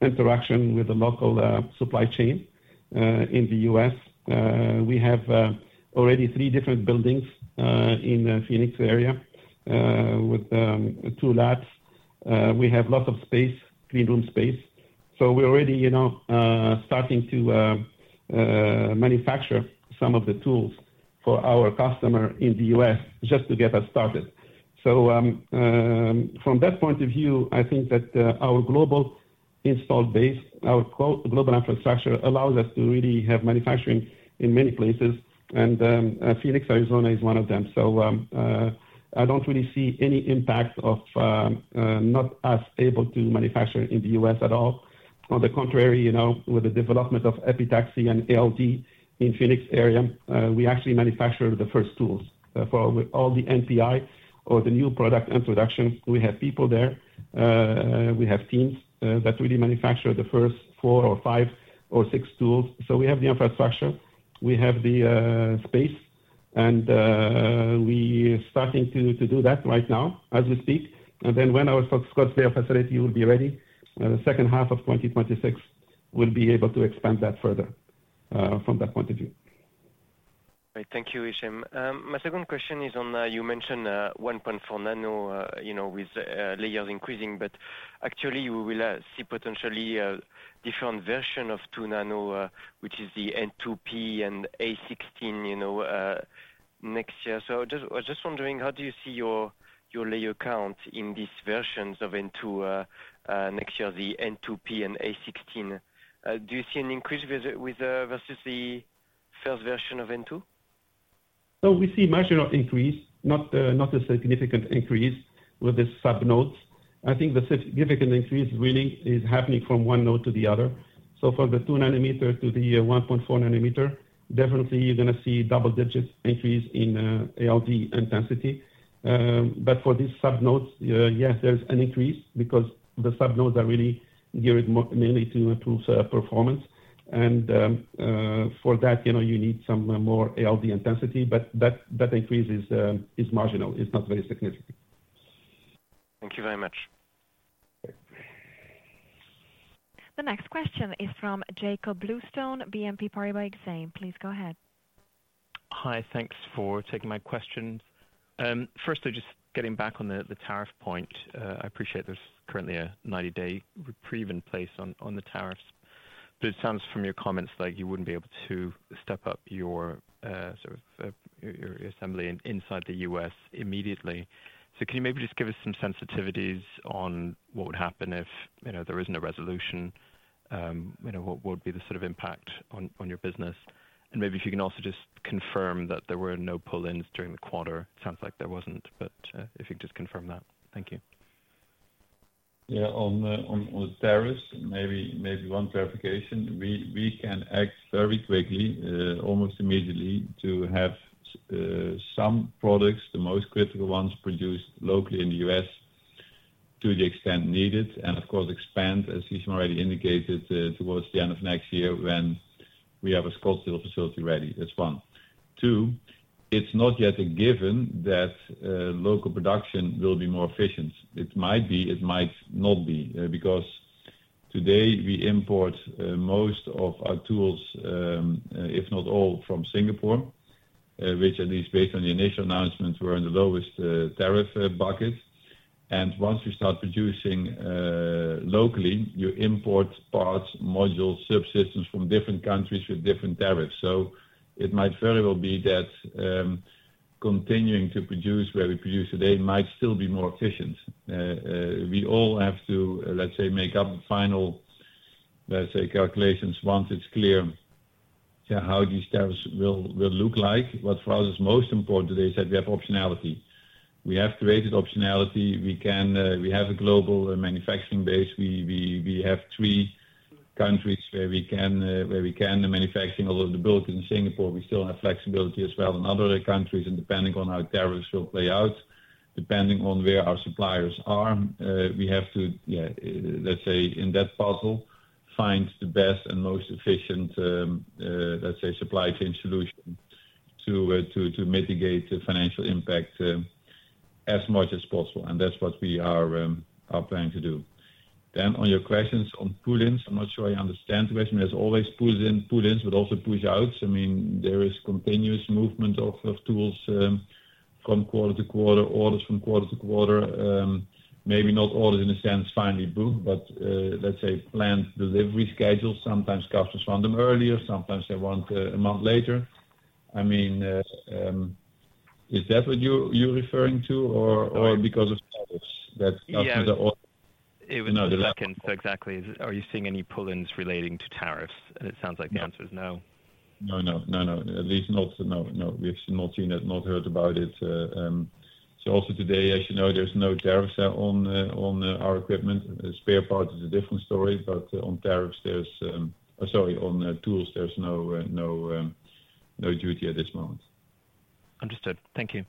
interaction with the local supply chain in the US. We already have three different buildings in the Phoenix area with two labs. We have lots of space, clean room space. We're already starting to manufacture some of the tools for our customer in the US just to get us started. From that point of view, I think that our global installed base, our global infrastructure allows us to really have manufacturing in many places, and Phoenix, Arizona is one of them. I don't really see any impact of not us able to manufacture in the US at all. On the contrary, with the development of Epitaxy and ALD in the Phoenix area, we actually manufactured the first tools. For all the NPI or the new product introductions, we have people there. We have teams that really manufacture the first four or five or six tools. We have the infrastructure. We have the space, and we are starting to do that right now as we speak. When our Scottsdale facility will be ready, the second half of 2026, we'll be able to expand that further from that point of view. Great. Thank you, Hichem. My second question is on you mentioned 1.4 nano with layers increasing, but actually, we will see potentially a different version of 2 nano, which is the N2P and A16 next year. I was just wondering, how do you see your layer count in these versions of N2 next year, the N2P and A16? Do you see an increase versus the first version of N2? We see a measure of increase, not a significant increase with the sub-nodes. I think the significant increase really is happening from one node to the other. From the 2 nanometer to the 1.4 nanometer, definitely, you're going to see double-digit increase in ALD intensity. For these sub-nodes, yes, there's an increase because the sub-nodes are really geared mainly to improve performance. For that, you need some more ALD intensity, but that increase is marginal. It's not very significant. Thank you very much. The next question is from Jakob Bluestone, BNP Paribas Exane. Please go ahead. Hi. Thanks for taking my questions. First, just getting back on the tariff point, I appreciate there's currently a 90-day reprieve in place on the tariffs, but it sounds from your comments like you wouldn't be able to step up your sort of assembly inside the U.S. immediately. Can you maybe just give us some sensitivities on what would happen if there is no resolution? What would be the sort of impact on your business? If you can also just confirm that there were no pull-ins during the quarter. It sounds like there wasn't, but if you could just confirm that. Thank you. Yeah. On the tariffs, maybe one clarification. We can act very quickly, almost immediately, to have some products, the most critical ones, produced locally in the U.S. to the extent needed and, of course, expand, as Hichem already indicated, towards the end of next year when we have a Scottsdale facility ready. That's one. Two, it's not yet a given that local production will be more efficient. It might be. It might not be because today, we import most of our tools, if not all, from Singapore, which, at least based on the initial announcement, were in the lowest tariff bucket. Once you start producing locally, you import parts, modules, subsystems from different countries with different tariffs. It might very well be that continuing to produce where we produce today might still be more efficient. We all have to, let's say, make up final, let's say, calculations once it's clear how these tariffs will look like. What for us is most important today is that we have optionality. We have created optionality. We have a global manufacturing base. We have three countries where we can manufacture. Although the bulk is in Singapore, we still have flexibility as well in other countries. Depending on how tariffs will play out, depending on where our suppliers are, we have to, let's say, in that puzzle, find the best and most efficient, let's say, supply chain solution to mitigate the financial impact as much as possible. That's what we are planning to do. On your questions on pull-ins, I'm not sure I understand the question. There's always pull-ins, but also push-outs. I mean, there is continuous movement of tools from quarter to quarter, orders from quarter to quarter. Maybe not orders in the sense finally booked, but, let's say, planned delivery schedules. Sometimes customers want them earlier. Sometimes they want a month later. I mean, is that what you're referring to, or because of tariffs that customers are ordering? Yeah. It was the second. Exactly, are you seeing any pull-ins relating to tariffs? It sounds like the answer is no. No, no, no, no. At least not. No, no. We've not seen it, not heard about it. As you know, there's no tariffs on our equipment. Spare parts is a different story, but on tariffs, on tools, there's no duty at this moment. Understood. Thank you.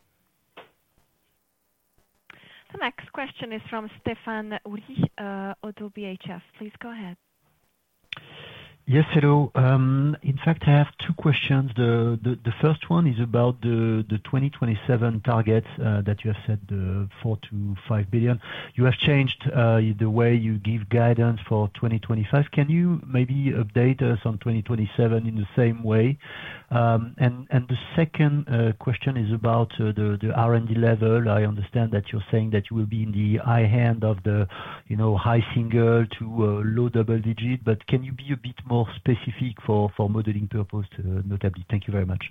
The next question is from Stephane Houri, ODDO BHF. Please go ahead. Yes, hello. In fact, I have two questions. The first one is about the 2027 targets that you have set, the 4 billion-EUR5 billion. You have changed the way you give guidance for 2025. Can you maybe update us on 2027 in the same way? The second question is about the R&D level. I understand that you're saying that you will be in the high end of the high single to low double digit, but can you be a bit more specific for modeling purposes, notably? Thank you very much.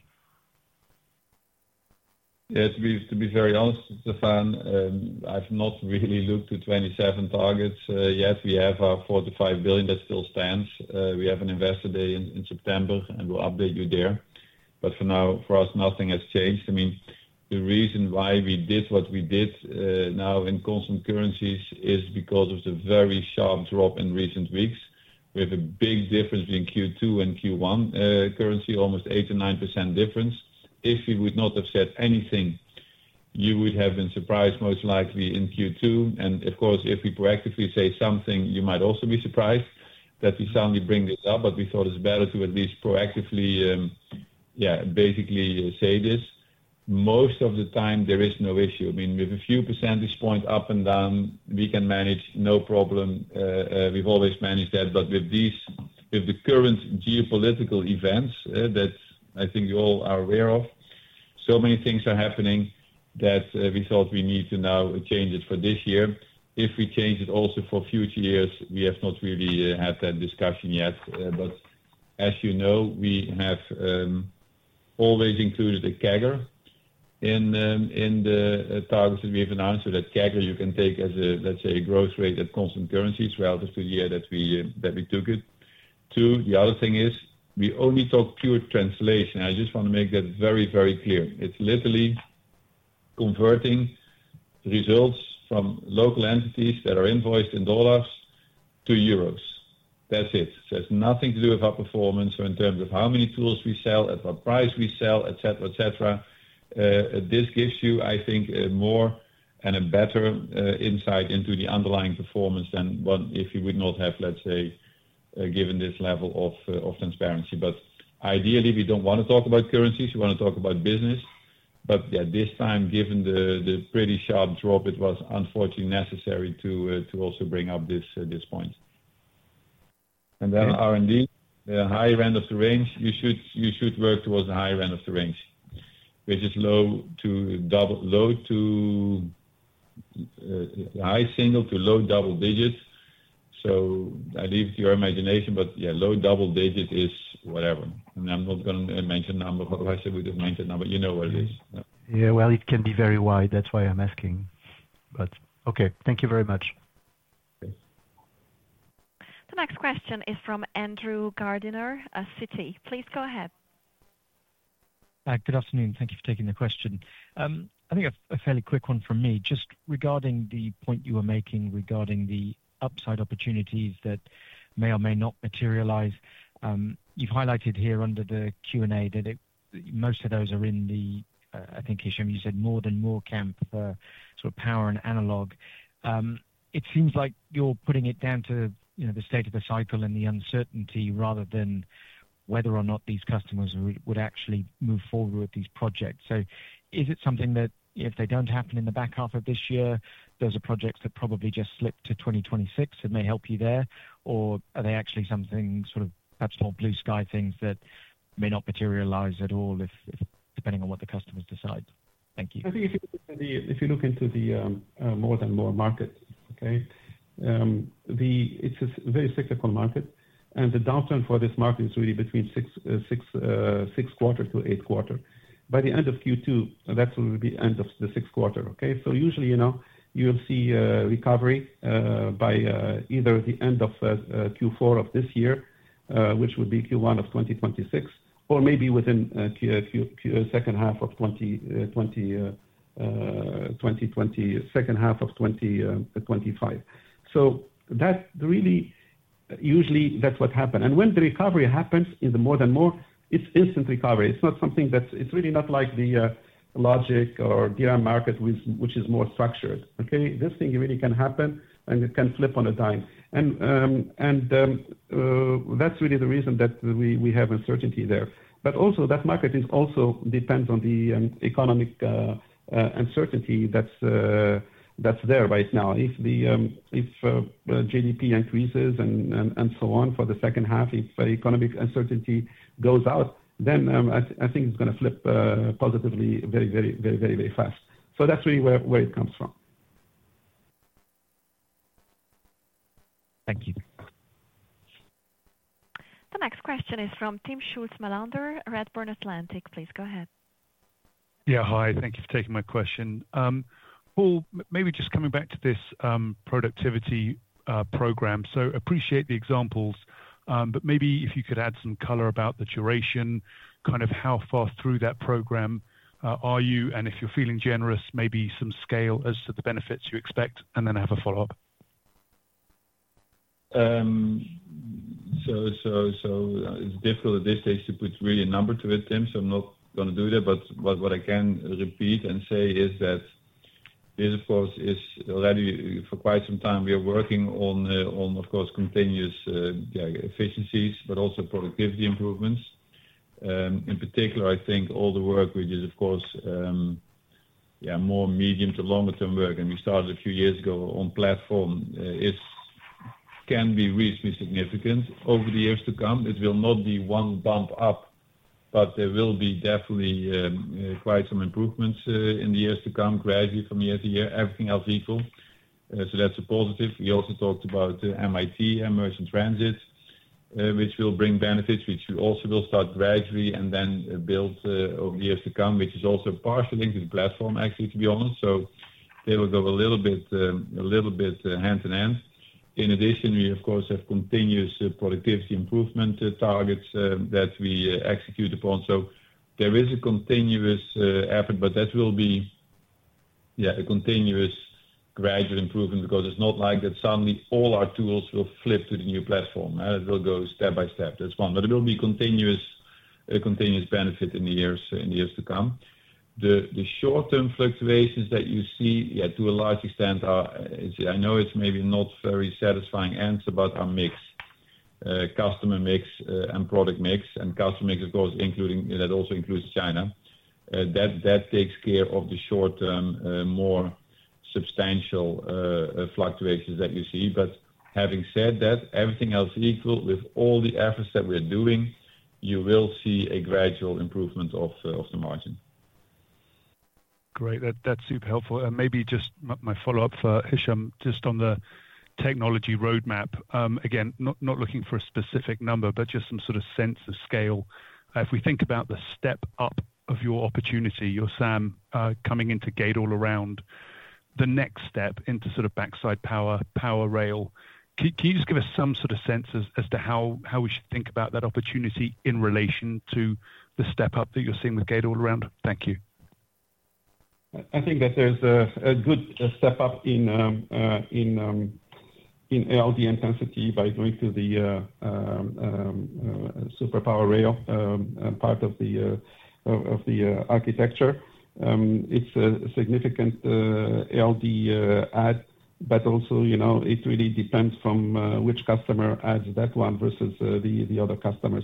Yeah. To be very honest, Stefan, I've not really looked at 2027 targets yet. We have our 4 billion-5 billion that still stands. We have an investor day in September, and we'll update you there. For now, for us, nothing has changed. I mean, the reason why we did what we did now in constant currencies is because of the very sharp drop in recent weeks. We have a big difference between Q2 and Q1 currency, almost 8%-9% difference. If we would not have said anything, you would have been surprised, most likely, in Q2. Of course, if we proactively say something, you might also be surprised that we suddenly bring this up. We thought it's better to at least proactively, yeah, basically say this. Most of the time, there is no issue. I mean, with a few percentage points up and down, we can manage, no problem. We've always managed that. With the current geopolitical events that I think you all are aware of, so many things are happening that we thought we need to now change it for this year. If we change it also for future years, we have not really had that discussion yet. As you know, we have always included a CAGR in the targets that we have announced. That CAGR, you can take as a, let's say, a growth rate at constant currencies relative to the year that we took it. Two, the other thing is we only talk pure translation. I just want to make that very, very clear. It's literally converting results from local entities that are invoiced in dollars to euros. That's it. It has nothing to do with our performance or in terms of how many tools we sell, at what price we sell, etc., etc. This gives you, I think, more and a better insight into the underlying performance than if you would not have, let's say, given this level of transparency. Ideally, we don't want to talk about currencies. We want to talk about business. At this time, given the pretty sharp drop, it was unfortunately necessary to also bring up this point. R&D, the higher end of the range, you should work towards the higher end of the range, which is low to high single to low double digits. I leave it to your imagination, but yeah, low double digit is whatever. I'm not going to mention numbers. Otherwise, we would have mentioned numbers. You know what it is. Yeah. It can be very wide. That is why I'm asking. Okay. Thank you very much. Okay. The next question is from Andrew Gardiner, Citi. Please go ahead. Good afternoon. Thank you for taking the question. I think a fairly quick one from me. Just regarding the point you were making regarding the upside opportunities that may or may not materialize, you've highlighted here under the Q&A that most of those are in the, I think, Hichem, you said more than more camp for sort of power and analog. It seems like you're putting it down to the state of the cycle and the uncertainty rather than whether or not these customers would actually move forward with these projects. Is it something that if they don't happen in the back half of this year, those are projects that probably just slip to 2026 and may help you there? Are they actually something sort of perhaps more blue sky things that may not materialize at all depending on what the customers decide? Thank you. I think if you look into the more than more market, okay, it's a very cyclical market. The downturn for this market is really between six quarter to eight quarter. By the end of Q2, that will be the end of the sixth quarter. Okay? Usually, you will see recovery by either the end of Q4 of this year, which would be Q1 of 2026, or maybe within the second half of 2025. Really, usually, that's what happens. When the recovery happens in the more than more, it's instant recovery. It's not something that's—it's really not like the logic or the market, which is more structured. Okay? This thing really can happen, and it can flip on a dime. That's really the reason that we have uncertainty there. Also, that market also depends on the economic uncertainty that's there right now. If GDP increases and so on for the second half, if economic uncertainty goes out, I think it's going to flip positively very, very, very, very, very fast. That's really where it comes from. Thank you. The next question is from Timm Schulze-Melander, Redburn Atlantic. Please go ahead. Yeah. Hi. Thank you for taking my question. Paul, maybe just coming back to this productivity program. I appreciate the examples, but maybe if you could add some color about the duration, kind of how far through that program are you? If you're feeling generous, maybe some scale as to the benefits you expect, and then I have a follow-up. It is difficult at this stage to put really a number to it, Tim, so I'm not going to do that. What I can repeat and say is that this, of course, is already for quite some time, we are working on, of course, continuous efficiencies, but also productivity improvements. In particular, I think all the work, which is, of course, more medium to longer-term work, and we started a few years ago on platform, can be reasonably significant over the years to come. It will not be one bump up, but there will be definitely quite some improvements in the years to come, gradually from year-to-year. Everything else equal. That is a positive. We also talked about MIT, Merge-in-Transit, which will bring benefits, which we also will start gradually and then build over the years to come, which is also partially linked to the platform, actually, to be honest. They will go a little bit hand in hand. In addition, we, of course, have continuous productivity improvement targets that we execute upon. There is a continuous effort, but that will be, yeah, a continuous gradual improvement because it's not like that suddenly all our tools will flip to the new platform. It will go step by step. That's one. It will be a continuous benefit in the years to come. The short-term fluctuations that you see, yeah, to a large extent, I know it's maybe not a very satisfying answer, but our mix—customer mix and product mix—and customer mix, of course, that also includes China, that takes care of the short-term, more substantial fluctuations that you see. Having said that, everything else equal, with all the efforts that we're doing, you will see a gradual improvement of the margin. Great. That's super helpful. Maybe just my follow-up for Hichem, just on the technology roadmap. Again, not looking for a specific number, but just some sort of sense of scale. If we think about the step up of your opportunity, your SAM coming into gate-all-around, the next step into sort of backside power, power rail, can you just give us some sort of sense as to how we should think about that opportunity in relation to the step up that you're seeing with gate-all-around? Thank you. I think that there's a good step up in ALD intensity by going to the Super Power Rail part of the architecture. It's a significant ALD add, but also it really depends from which customer adds that one versus the other customer.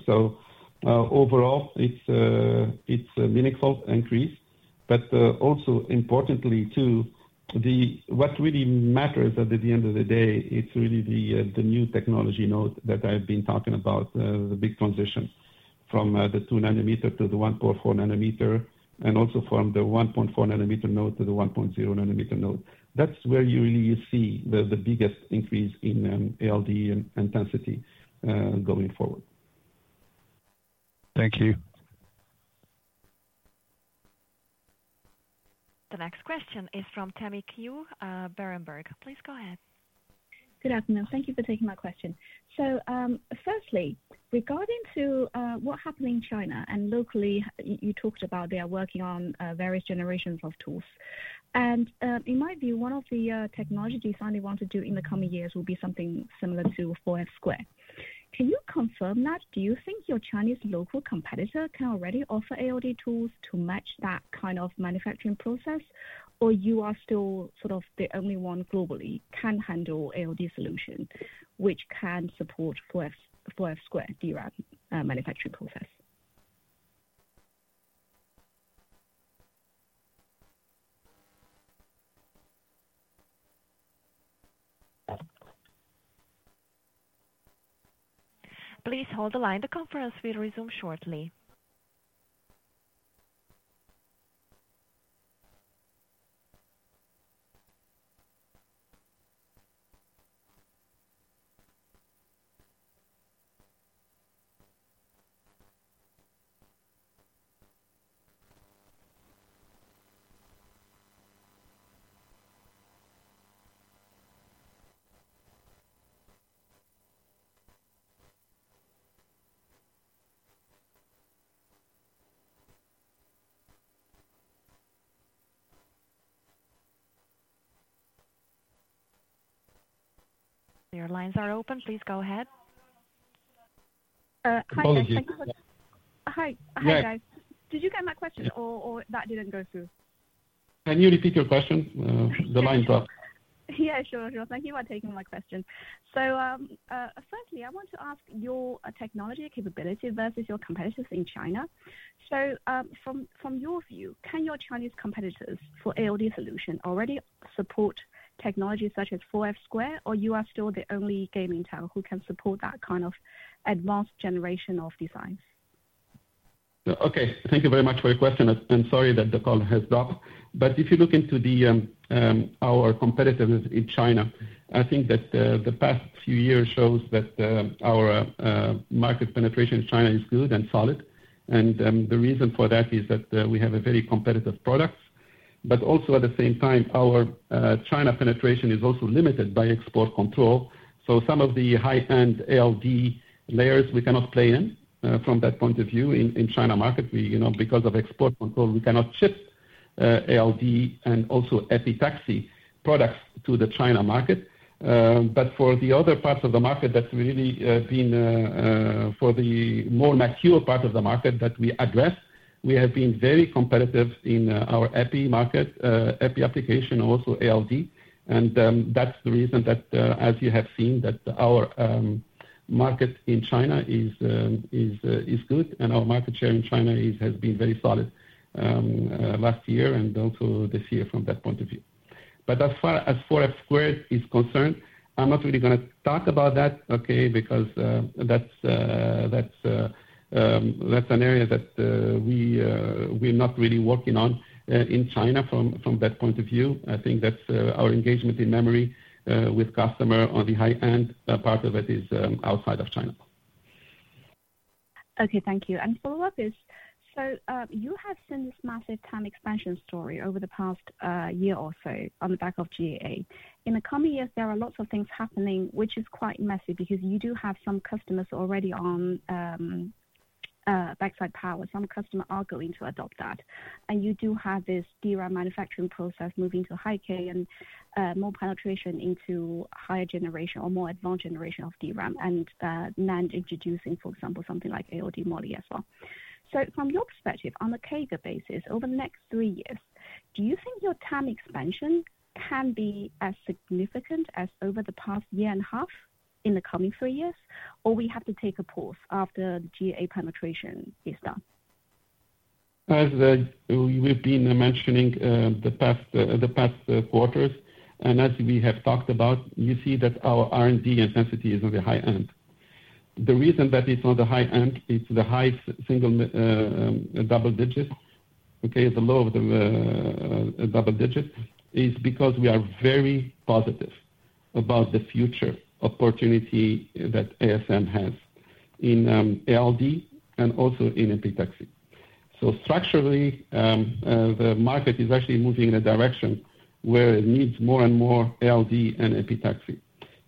Overall, it's a meaningful increase. Also, importantly, what really matters at the end of the day, it's really the new technology node that I've been talking about, the big transition from the 2 nanometer to the 1.4 nanometer, and also from the 1.4 nanometer node to the 1.0 nanometer node. That's where you really see the biggest increase in ALD intensity going forward. Thank you. The next question is from Tammy Qiu. Berenberg. Please go ahead. Good afternoon. Thank you for taking my question. Firstly, regarding what happened in China, and locally, you talked about they are working on various generations of tools. In my view, one of the technologies they finally want to do in the coming years will be something similar to 4F squared. Can you confirm that? Do you think your Chinese local competitor can already offer ALD tools to match that kind of manufacturing process, or are you still sort of the only one globally that can handle ALD solutions, which can support 4F squared DRAM manufacturing process? Please hold the line. The conference will resume shortly. Your lines are open. Please go ahead. Hi. Thank you. Hi. Hi, guys. Did you get my question, or that didn't go through? Can you repeat your question? The line dropped. Yeah. Sure. Sure. Thank you for taking my question. Firstly, I want to ask your technology capability versus your competitors in China. From your view, can your Chinese competitors for ALD solutions already support technology such as 4F squared, or are you still the only game in town who can support that kind of advanced generation of designs? Thank you very much for your question. Sorry that the call has dropped. If you look into our competitors in China, I think that the past few years show that our market penetration in China is good and solid. The reason for that is that we have very competitive products. At the same time, our China penetration is also limited by export control. Some of the high-end ALD layers, we cannot play in from that point of view in the China market. Because of export control, we cannot ship ALD and also Epi products to the China market. For the other parts of the market that we really have been for the more mature part of the market that we address, we have been very competitive in our Epi market, Epi application, also ALD. That's the reason that, as you have seen, our market in China is good, and our market share in China has been very solid last year and also this year from that point of view. As far as 4F squared is concerned, I'm not really going to talk about that, okay, because that's an area that we're not really working on in China from that point of view. I think that our engagement in memory with customers on the high-end part of it is outside of China. Okay. Thank you. Follow-up is, you have seen this massive TAM expansion story over the past year or so on the back of GAA. In the coming years, there are lots of things happening, which is quite messy because you do have some customers already on backside power. Some customers are going to adopt that. You do have this DRAM manufacturing process moving to high-K and more penetration into higher generation or more advanced generation of DRAM and NAND introducing, for example, something like ALD Moly as well. From your perspective, on a CAGR basis, over the next three years, do you think your TAM expansion can be as significant as over the past year and a half in the coming three years, or we have to take a pause after GAA penetration is done? As we've been mentioning the past quarters, and as we have talked about, you see that our R&D intensity is on the high end. The reason that it's on the high end, it's the high single double digit, okay, the low of the double digit, is because we are very positive about the future opportunity that ASM has in ALD and also in Epitaxy. Structurally, the market is actually moving in a direction where it needs more and more ALD and Epitaxy.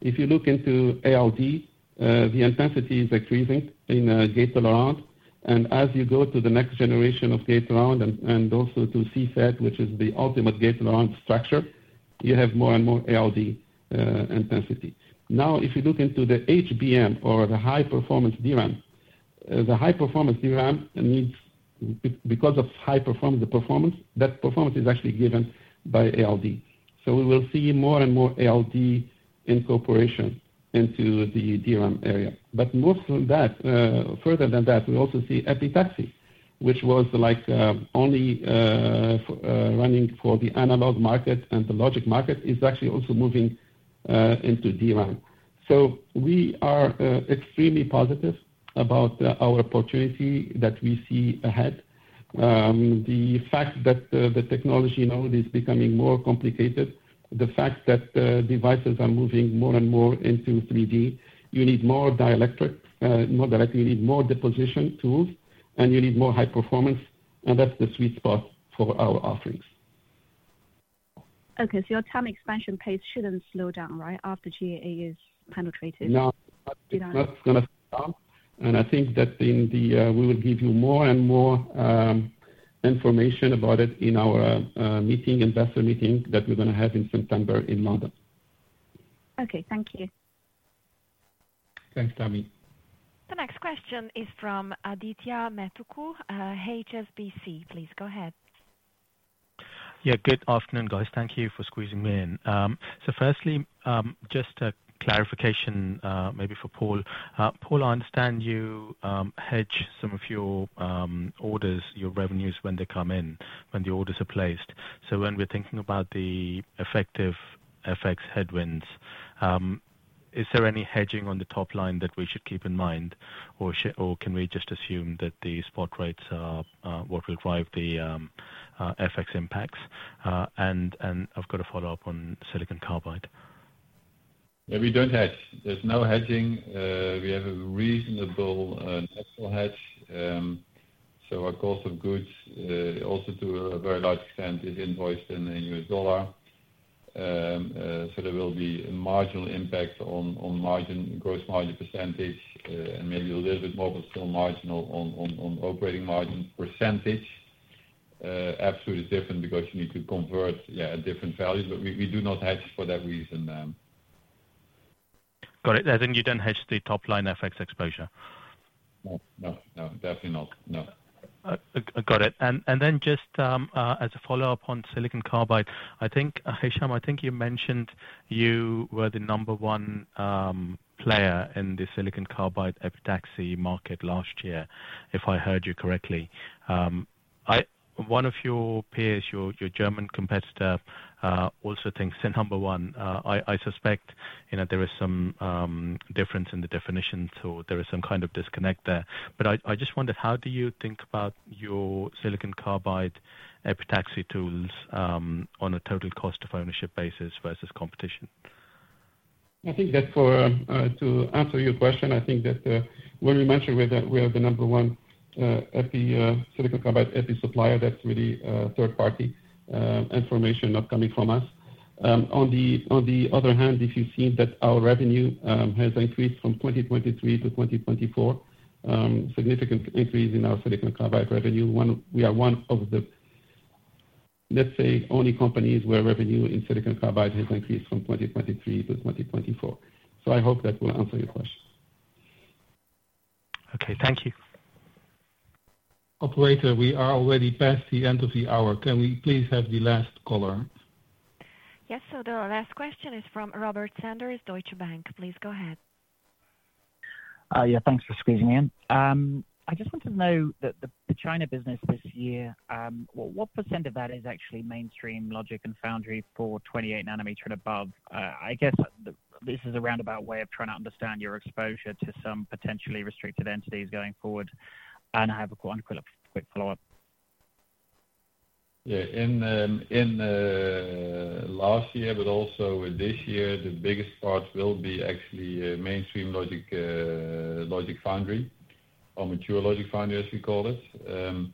If you look into ALD, the intensity is increasing in gate-all-around. As you go to the next generation of gate-all-around and also to CFET, which is the ultimate gate-all-around structure, you have more and more ALD intensity. Now, if you look into the HBM or the high-performance DRAM, the high-performance DRAM needs, because of high performance, that performance is actually given by ALD. We will see more and more ALD incorporation into the DRAM area. Most of that, further than that, we also see Epi, which was only running for the analog market and the logic market, is actually also moving into DRAM. We are extremely positive about our opportunity that we see ahead. The fact that the technology node is becoming more complicated, the fact that devices are moving more and more into 3D, you need more dielectric, more directly, you need more deposition tools, and you need more high performance, and that's the sweet spot for our offerings. Okay. Your time expansion pace shouldn't slow down, right, after GAA is penetrated? No. It's not going to slow down. I think that we will give you more and more information about it in our investor meeting that we're going to have in September in London. Okay. Thank you. Thanks, Tami. The next question is from Adithya Metuku, HSBC. Please go ahead. Yeah. Good afternoon, guys. Thank you for squeezing me in. Firstly, just a clarification maybe for Paul. Paul, I understand you hedge some of your orders, your revenues when they come in, when the orders are placed. When we're thinking about the effective FX headwinds, is there any hedging on the top line that we should keep in mind, or can we just assume that the spot rates are what will drive the FX impacts? I have a follow-up on silicon carbide. Yeah. We do not hedge. There is no hedging. We have a reasonable net hedge. Our cost of goods, also to a very large extent, is invoiced in the US dollar. There will be a marginal impact on gross margin %, and maybe a little bit more, but still marginal on operating margin %. Absolutely different because you need to convert, yeah, at different values. We do not hedge for that reason. Got it. Then you don't hedge the top line FX exposure? No. No. No. Definitely not. No. Got it. Just as a follow-up on silicon carbide, Hichem, I think you mentioned you were the number one player in the silicon carbide Epi market last year, if I heard you correctly. One of your peers, your German competitor, also thinks they're number one. I suspect there is some difference in the definition, so there is some kind of disconnect there. I just wondered, how do you think about your silicon carbide Epi tools on a total cost of ownership basis versus competition? I think that to answer your question, I think that when we mentioned we are the number one silicon carbide Epi supplier, that's really third-party information not coming from us. On the other hand, if you see that our revenue has increased from 2023 to 2024, significant increase in our silicon carbide revenue. We are one of the, let's say, only companies where revenue in silicon carbide has increased from 2023 to 2024. I hope that will answer your question. Okay. Thank you. Operator, we are already past the end of the hour. Can we please have the last caller? Yes. The last question is from Robert Sanders, Deutsche Bank. Please go ahead. Yeah. Thanks for squeezing me in. I just wanted to know that the China business this year, what % of that is actually mainstream logic and foundry for 28 nanometer and above? I guess this is a roundabout way of trying to understand your exposure to some potentially restricted entities going forward. I have a quick follow-up. Yeah. In last year, but also this year, the biggest part will be actually mainstream logic foundry or mature logic foundry, as we call it.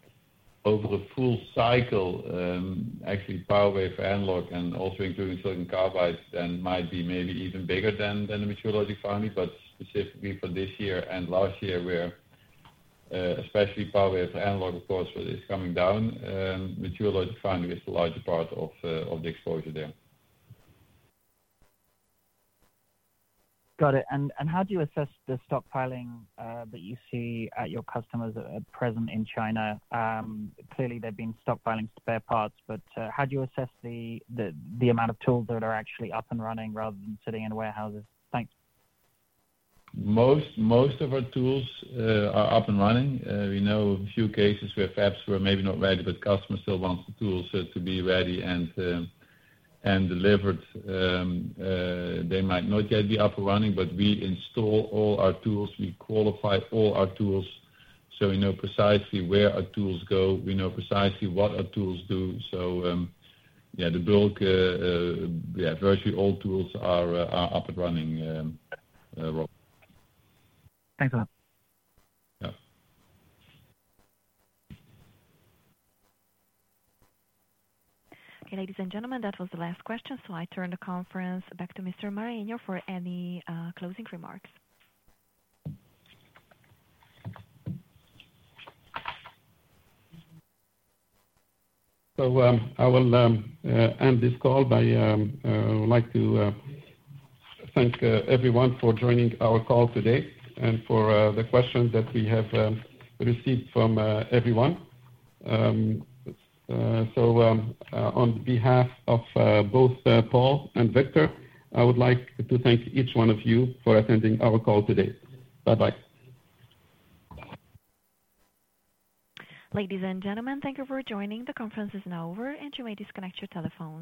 Over a full cycle, actually power/analog/wafer and also including silicon carbide, then might be maybe even bigger than the mature logic foundry. Specifically for this year and last year, where especially power/analog/wafer, of course, is coming down, mature logic foundry is the larger part of the exposure there. Got it. How do you assess the stockpiling that you see at your customers present in China? Clearly, there have been stockpiling spare parts, but how do you assess the amount of tools that are actually up and running rather than sitting in warehouses? Thanks. Most of our tools are up and running. We know a few cases where fabs were maybe not ready, but customers still want the tools to be ready and delivered. They might not yet be up and running, but we install all our tools. We qualify all our tools. We know precisely where our tools go. We know precisely what our tools do. Yeah, the bulk, yeah, virtually all tools are up and running. Thanks a lot. Yeah. Okay. Ladies and gentlemen, that was the last question. I turn the conference back to Mr. Bareño for any closing remarks. I will end this call by I would like to thank everyone for joining our call today and for the questions that we have received from everyone. On behalf of both Paul and Victor, I would like to thank each one of you for attending our call today. Bye-bye. Ladies and gentlemen, thank you for joining. The conference is now over, and you may disconnect your telephone.